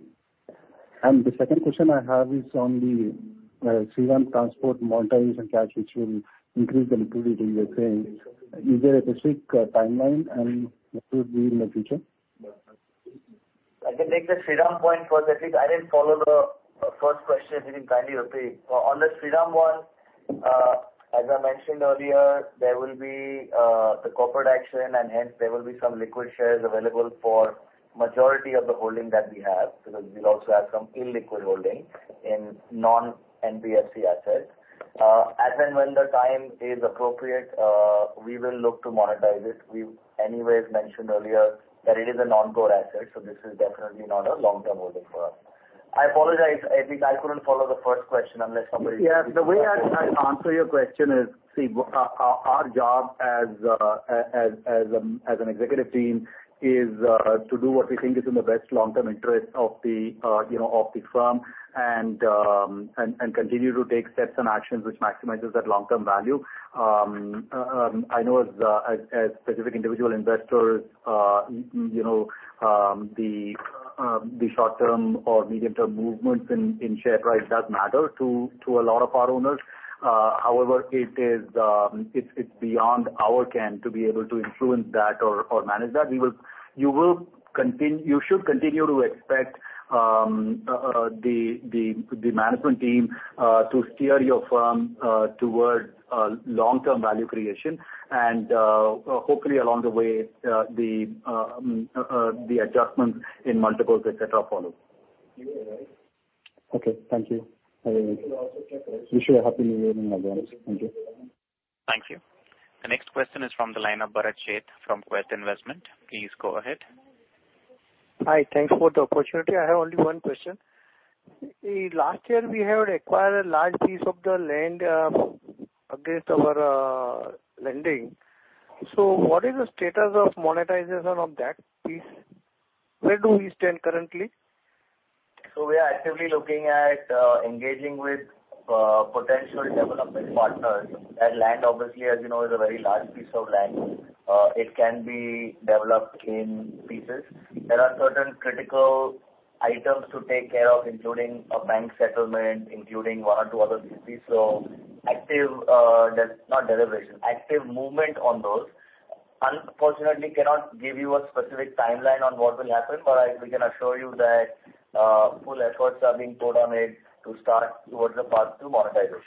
The second question I have is on the Shriram Transport monetization cash, which will increase the liquidity you were saying. Is there a specific timeline and what will be in the future? I can take the Shriram point for that. I didn't follow the first question. Can you kindly repeat? On the Shriram one, as I mentioned earlier, there will be the corporate action, and hence there will be some liquid shares available for majority of the holding that we have because we also have some illiquid holding in non-NBFC assets. As and when the time is appropriate, we will look to monetize it. We've anyways mentioned earlier that it is a non-core asset, so this is definitely not a long-term holding for us. I apologize. I think I couldn't follow the first question unless somebody Yeah. The way I answer your question is, see, our job as an executive team is to do what we think is in the best long-term interest of the, you know, of the firm and continue to take steps and actions which maximizes that long-term value. I know as specific individual investors, you know, the short-term or medium-term movements in share price does matter to a lot of our owners. However, it's beyond our ken to be able to influence that or manage that. You should continue to expect the management team to steer your firm towards long-term value creation and, hopefully along the way, the adjustments in multiples, et cetera, follow. Okay, thank you. Have a good. Wish you a happy new year in advance. Thank you. Thank you. The next question is from the line of Bharat Sheth from Quest Investment. Please go ahead. Hi. Thanks for the opportunity. I have only one question. Last year we have acquired a large piece of the land against our lending. What is the status of monetization of that piece? Where do we stand currently? We are actively looking at, engaging with, potential development partners. That land obviously, as you know, is a very large piece of land. It can be developed in pieces. There are certain critical items to take care of, including a bank settlement, including one or two other PTCs. Active movement on those. Unfortunately cannot give you a specific timeline on what will happen, but we can assure you that full efforts are being put on it to start towards the path to monetization.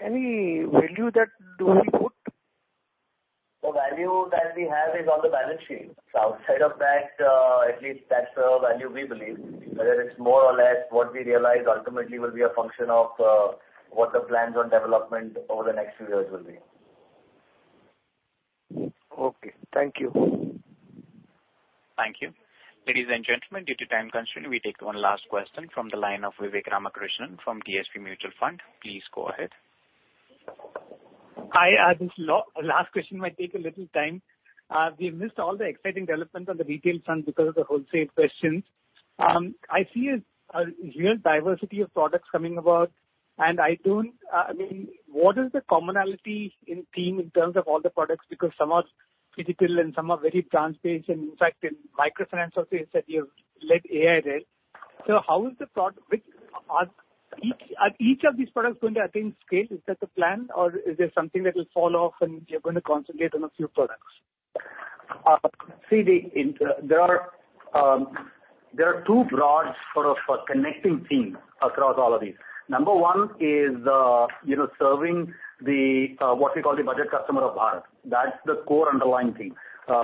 Any value that do we put? The value that we have is on the balance sheet. Outside of that, at least that's the value we believe. Whether it's more or less what we realize ultimately will be a function of what the plans on development over the next few years will be. Okay. Thank you. Thank you. Ladies and gentlemen, due to time constraint, we take one last question from the line of Vivek Ramakrishnan from DSP Mutual Fund. Please go ahead. Hi. This last question might take a little time. We missed all the exciting developments on the retail front because of the wholesale questions. I see a real diversity of products coming about and I don't, I mean, what is the commonality in theme in terms of all the products because some are physical and some are very transparent and in fact in microfinance also you said you've led AI there. So how is the product width? Are each of these products going to attain scale? Is that the plan or is there something that will fall off and you're going to concentrate on a few products? There are two broad sort of connecting themes across all of these. Number one is, you know, serving the what we call the budget customer of Bharat. That's the core underlying theme,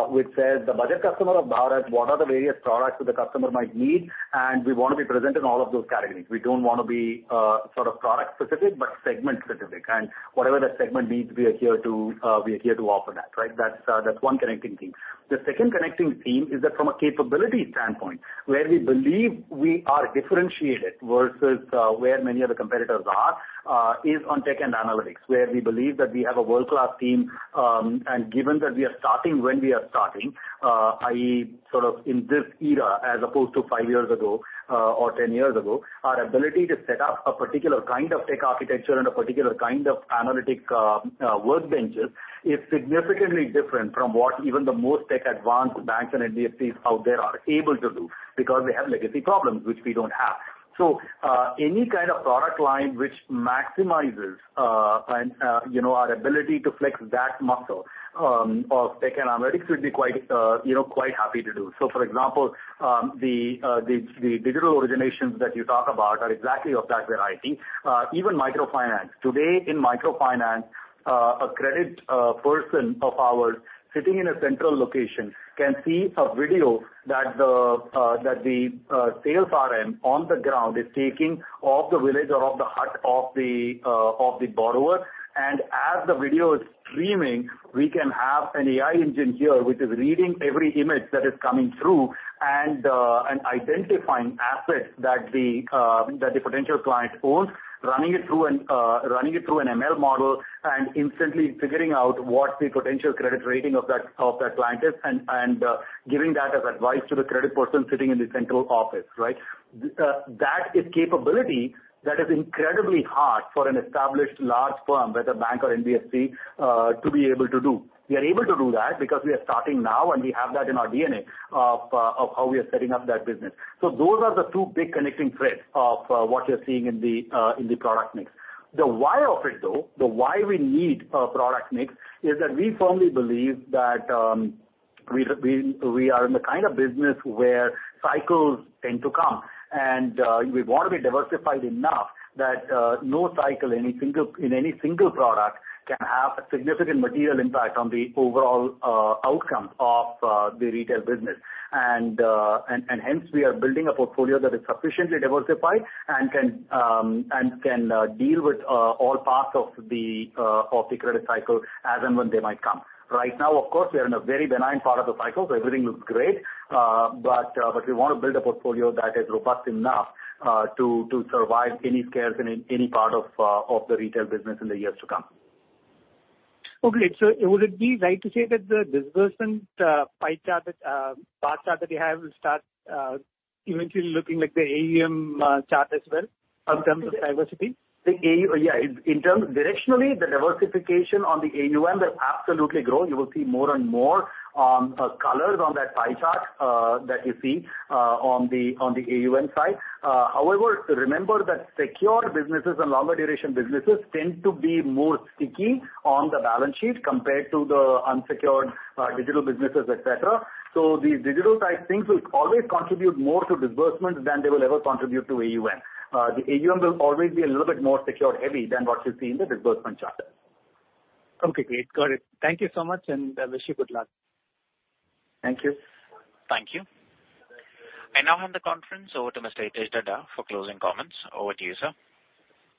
which says the budget customer of Bharat, what are the various products that the customer might need, and we wanna be present in all of those categories. We don't wanna be sort of product specific, but segment specific. Whatever that segment needs, we are here to offer that, right? That's one connecting theme. The second connecting theme is that from a capability standpoint, where we believe we are differentiated versus where many of the competitors are, is on tech and analytics, where we believe that we have a world-class team. Given that we are starting i.e., sort of in this era as opposed to five years ago or ten years ago, our ability to set up a particular kind of tech architecture and a particular kind of analytics workbenches is significantly different from what even the most tech advanced banks and NBFCs out there are able to do because they have legacy problems, which we don't have. Any kind of product line which maximizes you know our ability to flex that muscle of tech and analytics, we'd be quite happy to do. For example, the digital originations that you talk about are exactly of that variety. Even microfinance. Today in microfinance, a credit person of ours sitting in a central location can see a video that the sales RM on the ground is taking of the village or of the hut of the borrower. As the video is streaming, we can have an AI engine here, which is reading every image that is coming through and identifying assets that the potential client owns, running it through an ML model, and instantly figuring out what the potential credit rating of that client is and giving that as advice to the credit person sitting in the central office, right? That is capability that is incredibly hard for an established large firm, whether bank or NBFC, to be able to do. We are able to do that because we are starting now and we have that in our DNA of how we are setting up that business. Those are the two big connecting threads of what you're seeing in the product mix. The why of it though, the why we need a product mix is that we firmly believe that we are in the kind of business where cycles tend to come, and we wanna be diversified enough that no cycle in any single product can have a significant material impact on the overall outcome of the retail business. Hence we are building a portfolio that is sufficiently diversified and can deal with all parts of the credit cycle as and when they might come. Right now, of course, we are in a very benign part of the cycle, so everything looks great. We wanna build a portfolio that is robust enough to survive any scares in any part of the retail business in the years to come. Okay. Would it be right to say that the disbursement bar chart that you have will start eventually looking like the AUM chart as well in terms of diversity? Yeah, Directionally, the diversification on the AUM will absolutely grow. You will see more and more colors on that pie chart that you see on the AUM side. However, remember that secure businesses and longer duration businesses tend to be more sticky on the balance sheet compared to the unsecured digital businesses, et cetera. The digital side things will always contribute more to disbursement than they will ever contribute to AUM. The AUM will always be a little bit more secured heavy than what you see in the disbursement chart. Okay, great. Got it. Thank you so much, and I wish you good luck. Thank you. Thank you. I now hand the conference over to Mr. Hitesh Dhaddha for closing comments. Over to you, sir.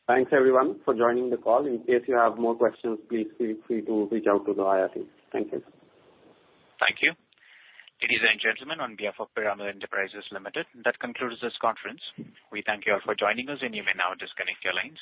Thanks everyone for joining the call. In case you have more questions, please feel free to reach out to the IR team. Thank you. Thank you. Ladies and gentlemen, on behalf of Piramal Enterprises Limited, that concludes this conference. We thank you all for joining us, and you may now disconnect your lines.